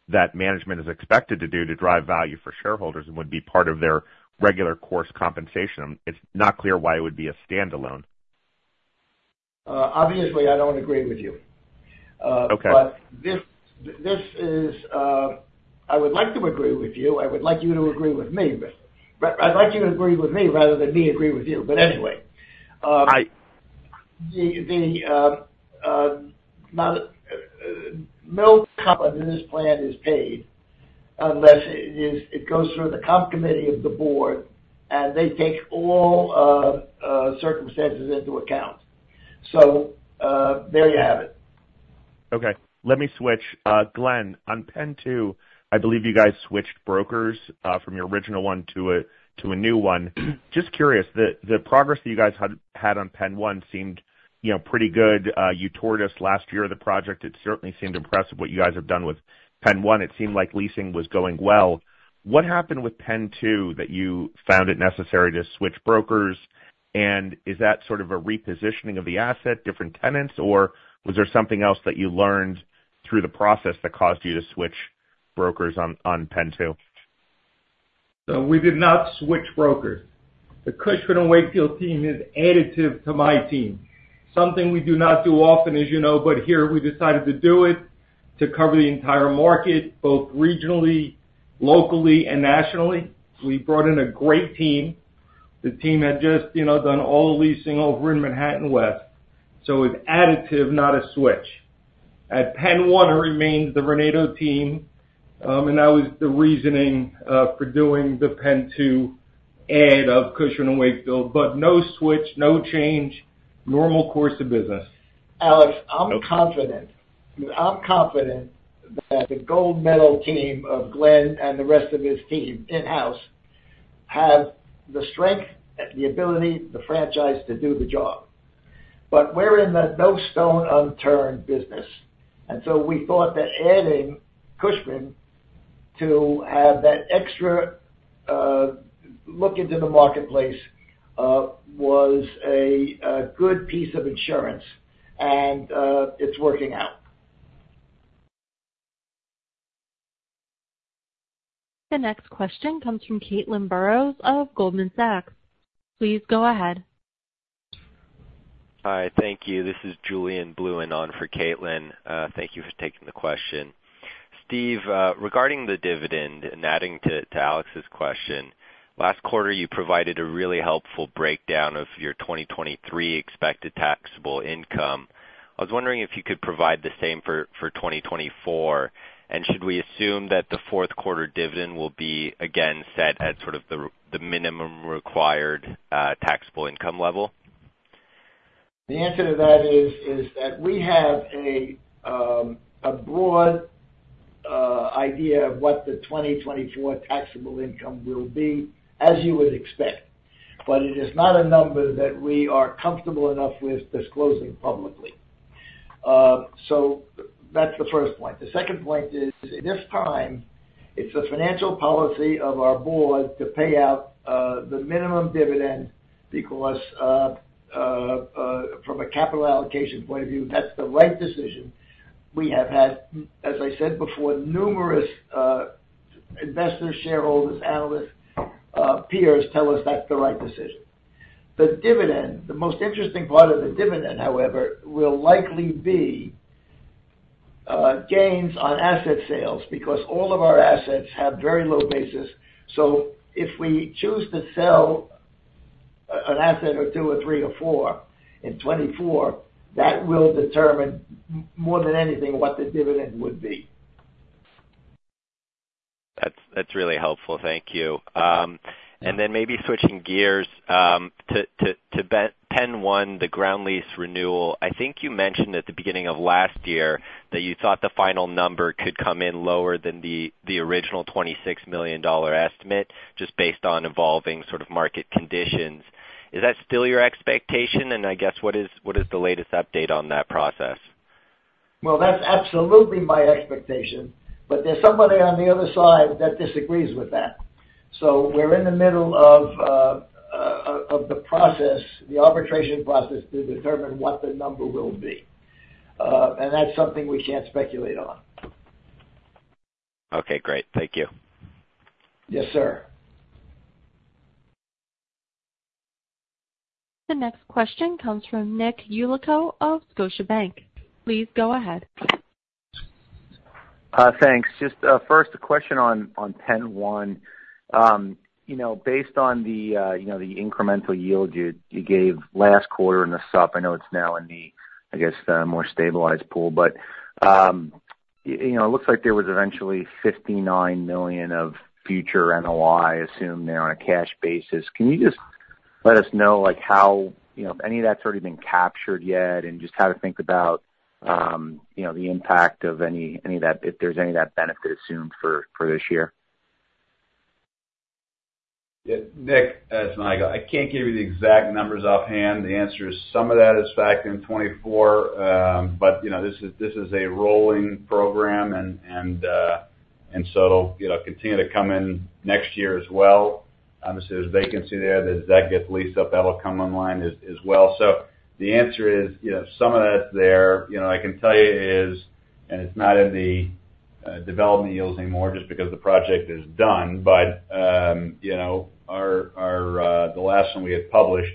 that management is expected to do to drive value for shareholders and would be part of their regular course compensation. It's not clear why it would be a standalone. Obviously, I don't agree with you. Okay. But this, this is... I would like to agree with you. I would like you to agree with me, but, but I'd like you to agree with me rather than me agree with you. But anyway, I-... No comp in this plan is paid unless it goes through the comp committee of the board, and they take all circumstances into account. So, there you have it. Okay, let me switch. Glen, on PENN 2, I believe you guys switched brokers from your original one to a new one. Just curious, the progress that you guys had on PENN 1 seemed, you know, pretty good. You toured us last year, the project. It certainly seemed impressive what you guys have done with PENN 1. It seemed like leasing was going well. What happened with PENN 2 that you found it necessary to switch brokers?... And is that sort of a repositioning of the asset, different tenants, or was there something else that you learned through the process that caused you to switch brokers on, on PENN 2? So we did not switch brokers. The Cushman & Wakefield team is additive to my team. Something we do not do often, as you know, but here we decided to do it, to cover the entire market, both regionally, locally, and nationally. We brought in a great team. The team had just, you know, done all the leasing over in Manhattan West, so it's additive, not a switch. At PENN 1, it remains the Vornado team, and that was the reasoning for doing the PENN 2 add of Cushman & Wakefield, but no switch, no change, normal course of business. Alex, I'm confident. I'm confident that the gold medal team of Glen and the rest of his team, in-house, have the strength, the ability, the franchise to do the job. But we're in the no stone unturned business, and so we thought that adding Cushman to have that extra look into the marketplace was a good piece of insurance, and it's working out. The next question comes from Caitlin Burrows of Goldman Sachs. Please go ahead. Hi, thank you. This is Julien Blouin in on for Caitlin. Thank you for taking the question. Steve, regarding the dividend, and adding to Alex's question, last quarter, you provided a really helpful breakdown of your 2023 expected taxable income. I was wondering if you could provide the same for 2024, and should we assume that the fourth quarter dividend will be again set at sort of the minimum required taxable income level? The answer to that is that we have a broad idea of what the 2024 taxable income will be, as you would expect, but it is not a number that we are comfortable enough with disclosing publicly. So that's the first point. The second point is, at this time, it's a financial policy of our board to pay out the minimum dividend because, from a capital allocation point of view, that's the right decision. We have had, as I said before, numerous investors, shareholders, analysts, peers, tell us that's the right decision. The dividend, the most interesting part of the dividend, however, will likely be gains on asset sales, because all of our assets have very low basis. So if we choose to sell an asset or two or three or four in 2024, that will determine, more than anything, what the dividend would be. That's, that's really helpful. Thank you. And then maybe switching gears to PENN 1, the ground lease renewal. I think you mentioned at the beginning of last year that you thought the final number could come in lower than the original $26 million estimate, just based on evolving sort of market conditions. Is that still your expectation? And I guess, what is the latest update on that process? Well, that's absolutely my expectation, but there's somebody on the other side that disagrees with that. So we're in the middle of the process, the arbitration process, to determine what the number will be. And that's something we can't speculate on. Okay, great. Thank you. Yes, sir. The next question comes from Nick Yulico of Scotiabank. Please go ahead. Thanks. Just first, a question on PENN 1. You know, based on the, you know, the incremental yield you gave last quarter in the supp, I know it's now in the, I guess, the more stabilized pool, but, you know, it looks like there was eventually $59 million of future NOI, assumed they're on a cash basis. Can you just let us know, like, how... you know, if any of that's already been captured yet, and just how to think about, you know, the impact of any, any of that, if there's any of that benefit assumed for, for this year? Yeah, Nick, it's Michael. I can't give you the exact numbers offhand. The answer is, some of that is factored in 2024, but, you know, this is a rolling program and so, it'll, you know, continue to come in next year as well. Obviously, there's vacancy there, as that gets leased up, that'll come online as well. So the answer is, you know, some of that's there. You know, I can tell you is, and it's not in the development yields anymore, just because the project is done, but, you know, our the last one we had published,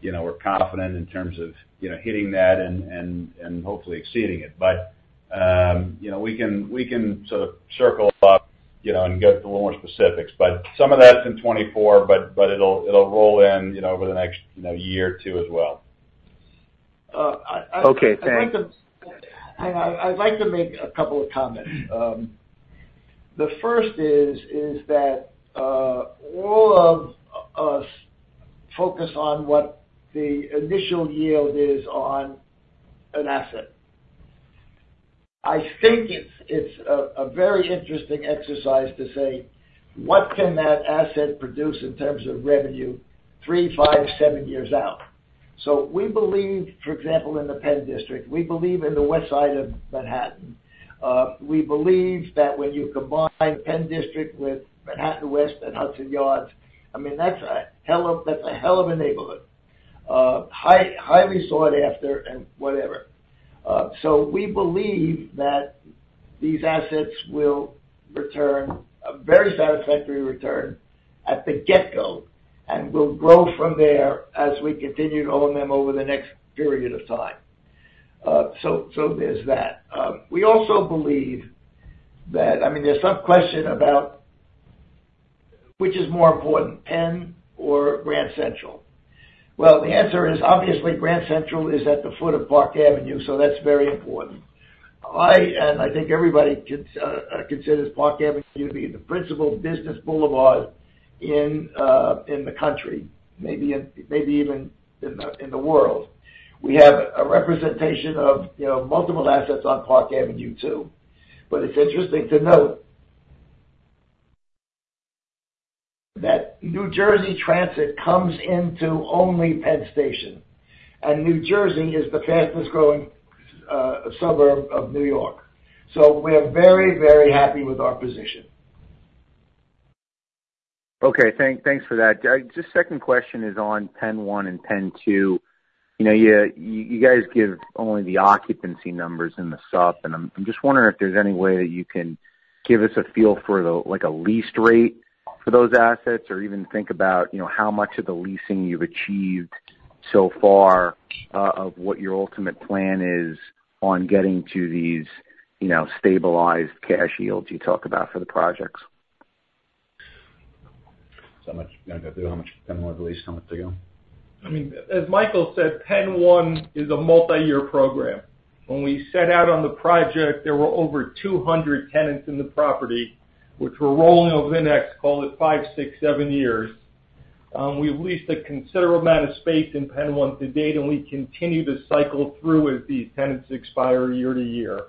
you know, we're confident in terms of, you know, hitting that and hopefully exceeding it. But you know, we can sort of circle up, you know, and get a little more specifics, but some of that's in 2024, but it'll roll in, you know, over the next, you know, year or two as well. Uh, I, I- Okay, thanks. I'd like to... Hang on. I'd like to make a couple of comments. The first is that all of us focus on what the initial yield is on an asset. I think it's a very interesting exercise to say: What can that asset produce in terms of revenue, three, five, seven years out? So we believe, for example, in the PENN DISTRICT, we believe in the West Side of Manhattan. We believe that when you combine PENN DISTRICT with Manhattan West and Hudson Yards, I mean, that's a hell of a neighborhood. Highly sought after and whatever. So we believe that these assets will return a very satisfactory return at the get-go, and will grow from there as we continue to own them over the next period of time. So there's that. We also believe that—I mean, there's some question about which is more important, Penn or Grand Central? Well, the answer is, obviously Grand Central is at the foot of Park Avenue, so that's very important. I, and I think everybody considers Park Avenue to be the principal business boulevard in the country, maybe in, maybe even in the world. We have a representation of, you know, multiple assets on Park Avenue, too. But it's interesting to note that New Jersey Transit comes into only Penn Station, and New Jersey is the fastest growing suburb of New York. So we are very, very happy with our position. Okay, thanks for that. Just second question is on PENN 1 and PENN 2. You know, you guys give only the occupancy numbers in the sup, and I'm just wondering if there's any way that you can give us a feel for the... Like, a lease rate for those assets, or even think about, you know, how much of the leasing you've achieved so far, of what your ultimate plan is on getting to these, you know, stabilized cash yields you talk about for the projects? So much, you wanna go through how much PENN 1 lease, how much to go? I mean, as Michael said, PENN 1 is a multi-year program. When we set out on the project, there were over 200 tenants in the property, which were rolling over the next, call it five, six, seven years. We've leased a considerable amount of space in PENN 1 to date, and we continue to cycle through as these tenants expire year to year.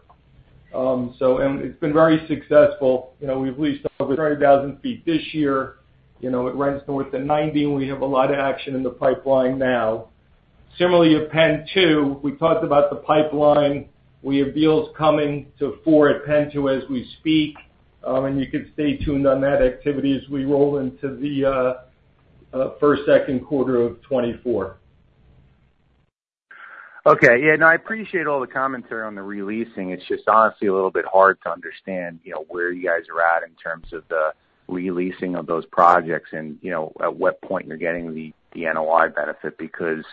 So and it's been very successful. You know, we've leased over 30,000 sq ft this year. You know, it runs north of 90, and we have a lot of action in the pipeline now. Similarly, at PENN 2, we talked about the pipeline. We have deals coming to fore at PENN 2 as we speak, and you can stay tuned on that activity as we roll into the first, second quarter of 2024. Okay. Yeah, no, I appreciate all the commentary on the re-leasing. It's just honestly a little bit hard to understand, you know, where you guys are at in terms of the re-leasing of those projects and, you know, at what point you're getting the, the NOI benefit, because,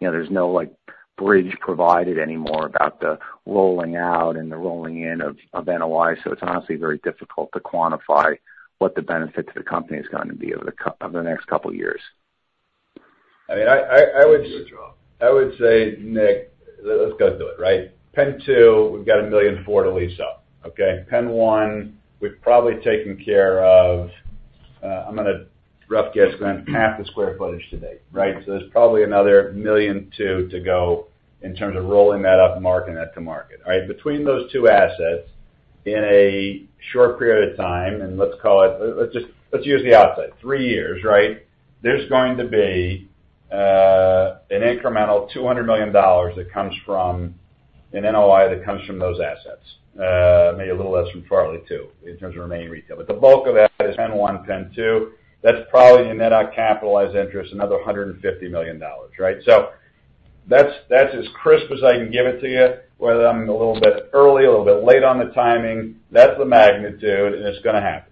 you know, there's no, like, bridge provided anymore about the rolling out and the rolling in of, of NOI. So it's honestly very difficult to quantify what the benefit to the company is gonna be over the co- over the next couple years. I mean, I would- Good job. I would say, Nick, let's go through it, right? PENN 2, we've got 1.4 million to lease up, okay? PENN 1, we've probably taken care of, I'm gonna rough guess, going half the square footage to date, right? So there's probably another 1.2 million to go in terms of rolling that up to market and at to market, all right? Between those two assets, in a short period of time, and let's call it, let's just, let's use the outside, three years, right? There's going to be an incremental $200 million that comes from an NOI that comes from those assets, maybe a little less from Farley too, in terms of remaining retail. But the bulk of that is PENN 1, PENN 2. That's probably a net on capitalized interest, another $150 million, right? So that's, that's as crisp as I can give it to you. Whether I'm a little bit early, a little bit late on the timing, that's the magnitude, and it's gonna happen.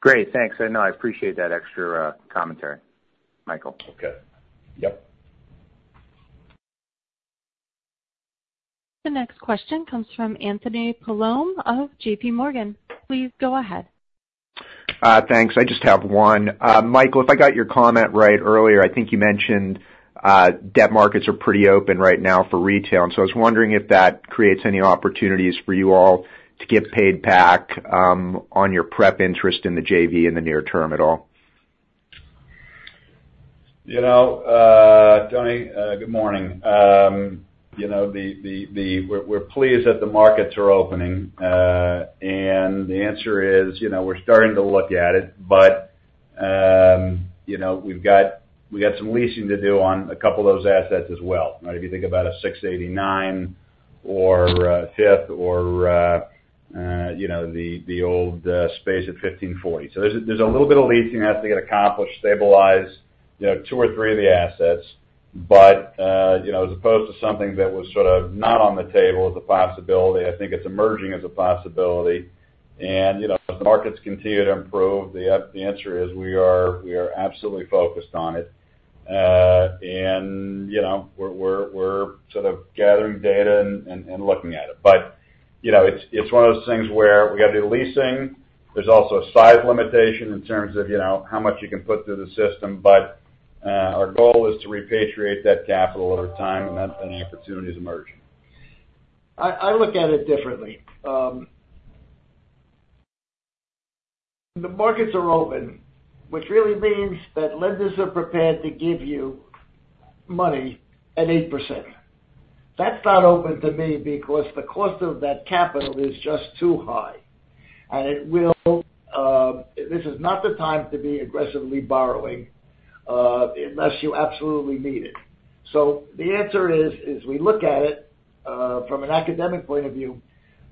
Great, thanks. I know, I appreciate that extra commentary, Michael. Okay. Yep. The next question comes from Anthony Paolone of JPMorgan. Please go ahead. Thanks. I just have one. Michael, if I got your comment right earlier, I think you mentioned debt markets are pretty open right now for retail, and so I was wondering if that creates any opportunities for you all to get paid back on your preferred interest in the JV in the near term at all? You know, Tony, good morning. You know, we're pleased that the markets are opening, and the answer is, you know, we're starting to look at it. But, you know, we've got some leasing to do on a couple of those assets as well, right? If you think about 689 Fifth or, you know, the old space at 1540. So there's a little bit of leasing that has to get accomplished, stabilize, you know, two or three of the assets. But, you know, as opposed to something that was sort of not on the table as a possibility, I think it's emerging as a possibility. And, you know, as the markets continue to improve, the answer is we are absolutely focused on it. And, you know, we're sort of gathering data and looking at it. But, you know, it's one of those things where we gotta do leasing. There's also a size limitation in terms of, you know, how much you can put through the system. But, our goal is to repatriate that capital over time, and that, and opportunities emerging. I look at it differently. The markets are open, which really means that lenders are prepared to give you money at 8%. That's not open to me because the cost of that capital is just too high, and this is not the time to be aggressively borrowing, unless you absolutely need it. So the answer is we look at it from an academic point of view,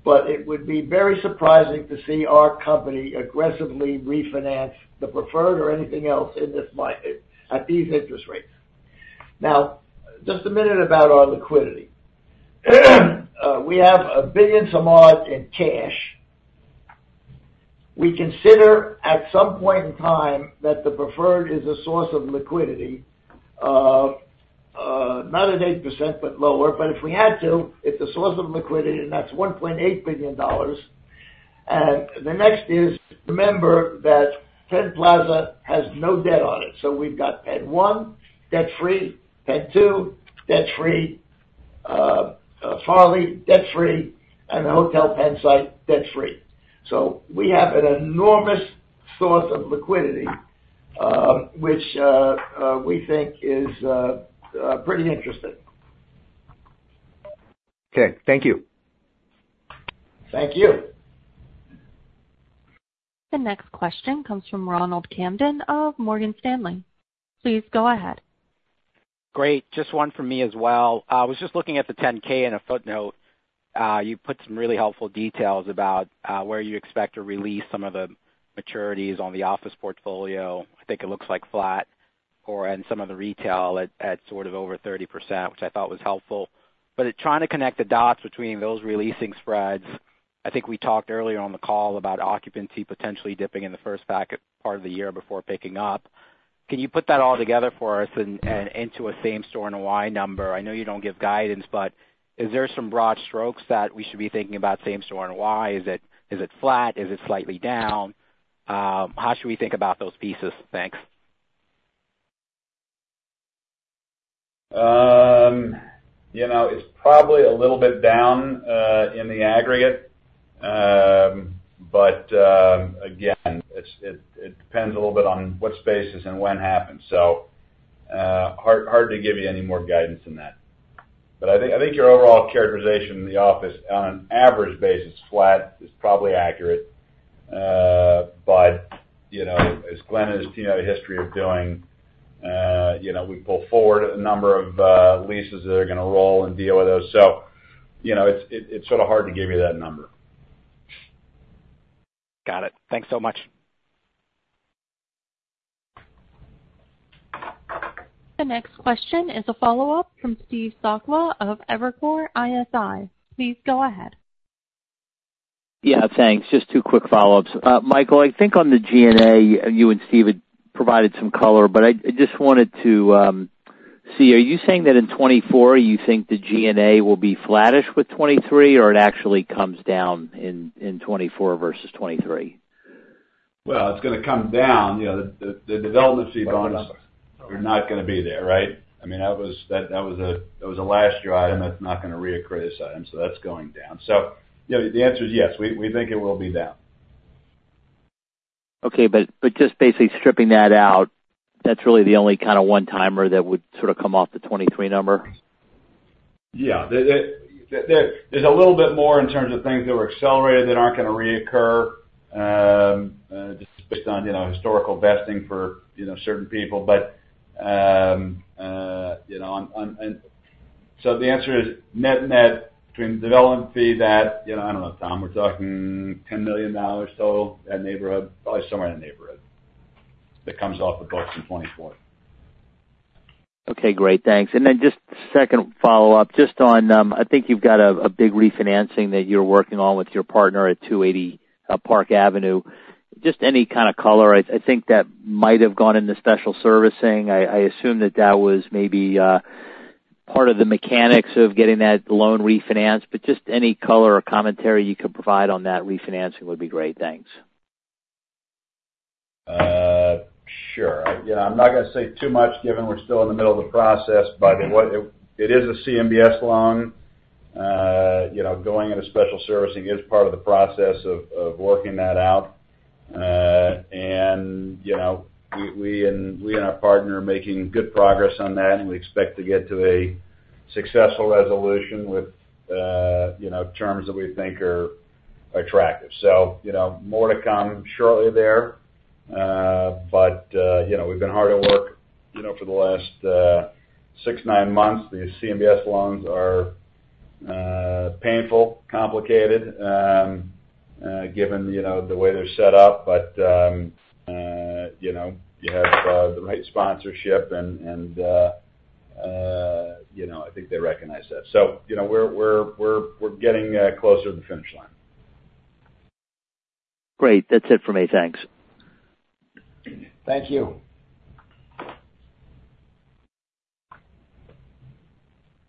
but it would be very surprising to see our company aggressively refinance the preferred or anything else in this market at these interest rates. Now, just a minute about our liquidity. We have $1 billion some odd in cash. We consider, at some point in time, that the preferred is a source of liquidity, not at 8%, but lower. But if we had to, it's a source of liquidity, and that's $1.8 billion. The next is, remember that Penn Plaza has no debt on it. So we've got PENN 1, debt-free. PENN 2, debt-free. Farley, debt-free, and the Hotel Pennsylvania site, debt-free. So we have an enormous source of liquidity, which, we think is, pretty interesting. Okay, thank you. Thank you. The next question comes from Ronald Kamdem of Morgan Stanley. Please go ahead. Great. Just one from me as well. I was just looking at the 10-K, in a footnote, you put some really helpful details about, where you expect to release some of the maturities on the office portfolio. I think it looks like flat or, and some of the retail at, at sort of over 30%, which I thought was helpful. But in trying to connect the dots between those releasing spreads, I think we talked earlier on the call about occupancy potentially dipping in the H1 part of the year before picking up. Can you put that all together for us and into a same-store NOI number? I know you don't give guidance, but is there some broad strokes that we should be thinking about same-store NOI? Is it flat? Is it slightly down? How should we think about those pieces? Thanks. You know, it's probably a little bit down in the aggregate. But again, it depends a little bit on what spaces and when happens. Hard to give you any more guidance than that. But I think your overall characterization in the office on an average basis, flat, is probably accurate. But you know, as Glen and his team have a history of doing, you know, we pull forward a number of leases that are gonna roll and deal with those. You know, it's sort of hard to give you that number. Got it. Thanks so much. The next question is a follow-up from Steve Sakwa of Evercore ISI. Please go ahead. Yeah, thanks. Just two quick follow-ups. Michael, I think on the G&A, you and Steve had provided some color, but I just wanted to see, are you saying that in 2024, you think the G&A will be flattish with 2023, or it actually comes down in 2024 versus 2023? Well, it's gonna come down. You know, the development fee bonus are not gonna be there, right? I mean, that was a last-year item that's not gonna reoccur this year, so that's going down. So, you know, the answer is yes. We think it will be down. Okay, but, but just basically stripping that out, that's really the only kind of one-timer that would sort of come off the 23 number? Yeah. There's a little bit more in terms of things that were accelerated that aren't gonna reoccur, just based on, you know, historical vesting for, you know, certain people. But, you know, on... So the answer is net-net between development fee, that, you know, I don't know, Tom, we're talking $10 million total, that neighborhood, probably somewhere in the neighborhood, that comes off the books in 2024. Okay, great. Thanks. And then just second follow-up, just on, I think you've got a big refinancing that you're working on with your partner at 280 Park Avenue. Just any kind of color. I think that might have gone into special servicing. I assume that that was maybe part of the mechanics of getting that loan refinanced, but just any color or commentary you could provide on that refinancing would be great. Thanks. Sure. Yeah, I'm not gonna say too much, given we're still in the middle of the process. But what... It is a CMBS loan. You know, going into special servicing is part of the process of working that out. And you know, we and our partner are making good progress on that, and we expect to get to a successful resolution with you know, terms that we think are attractive. So, you know, more to come shortly there. But you know, we've been hard at work, you know, for the last six-nine months. These CMBS loans are painful, complicated, given you know, the way they're set up. But you know, you have the right sponsorship, and you know, I think they recognize that. You know, we're getting closer to the finish line. Great. That's it for me. Thanks. Thank you.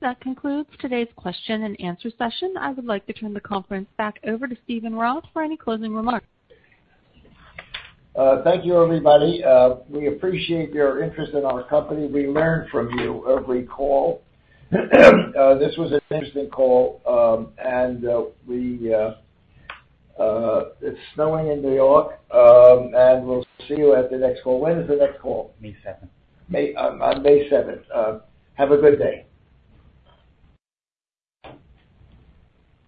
That concludes today's question and answer session. I would like to turn the conference back over to Steven Roth for any closing remarks. Thank you, everybody. We appreciate your interest in our company. We learn from you every call. This was an interesting call, and it's snowing in New York, and we'll see you at the next call. When is the next call? May seventh. May, on, on May seventh. Have a good day.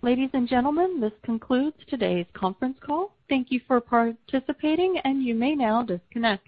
Ladies and gentlemen, this concludes today's conference call. Thank you for participating, and you may now disconnect.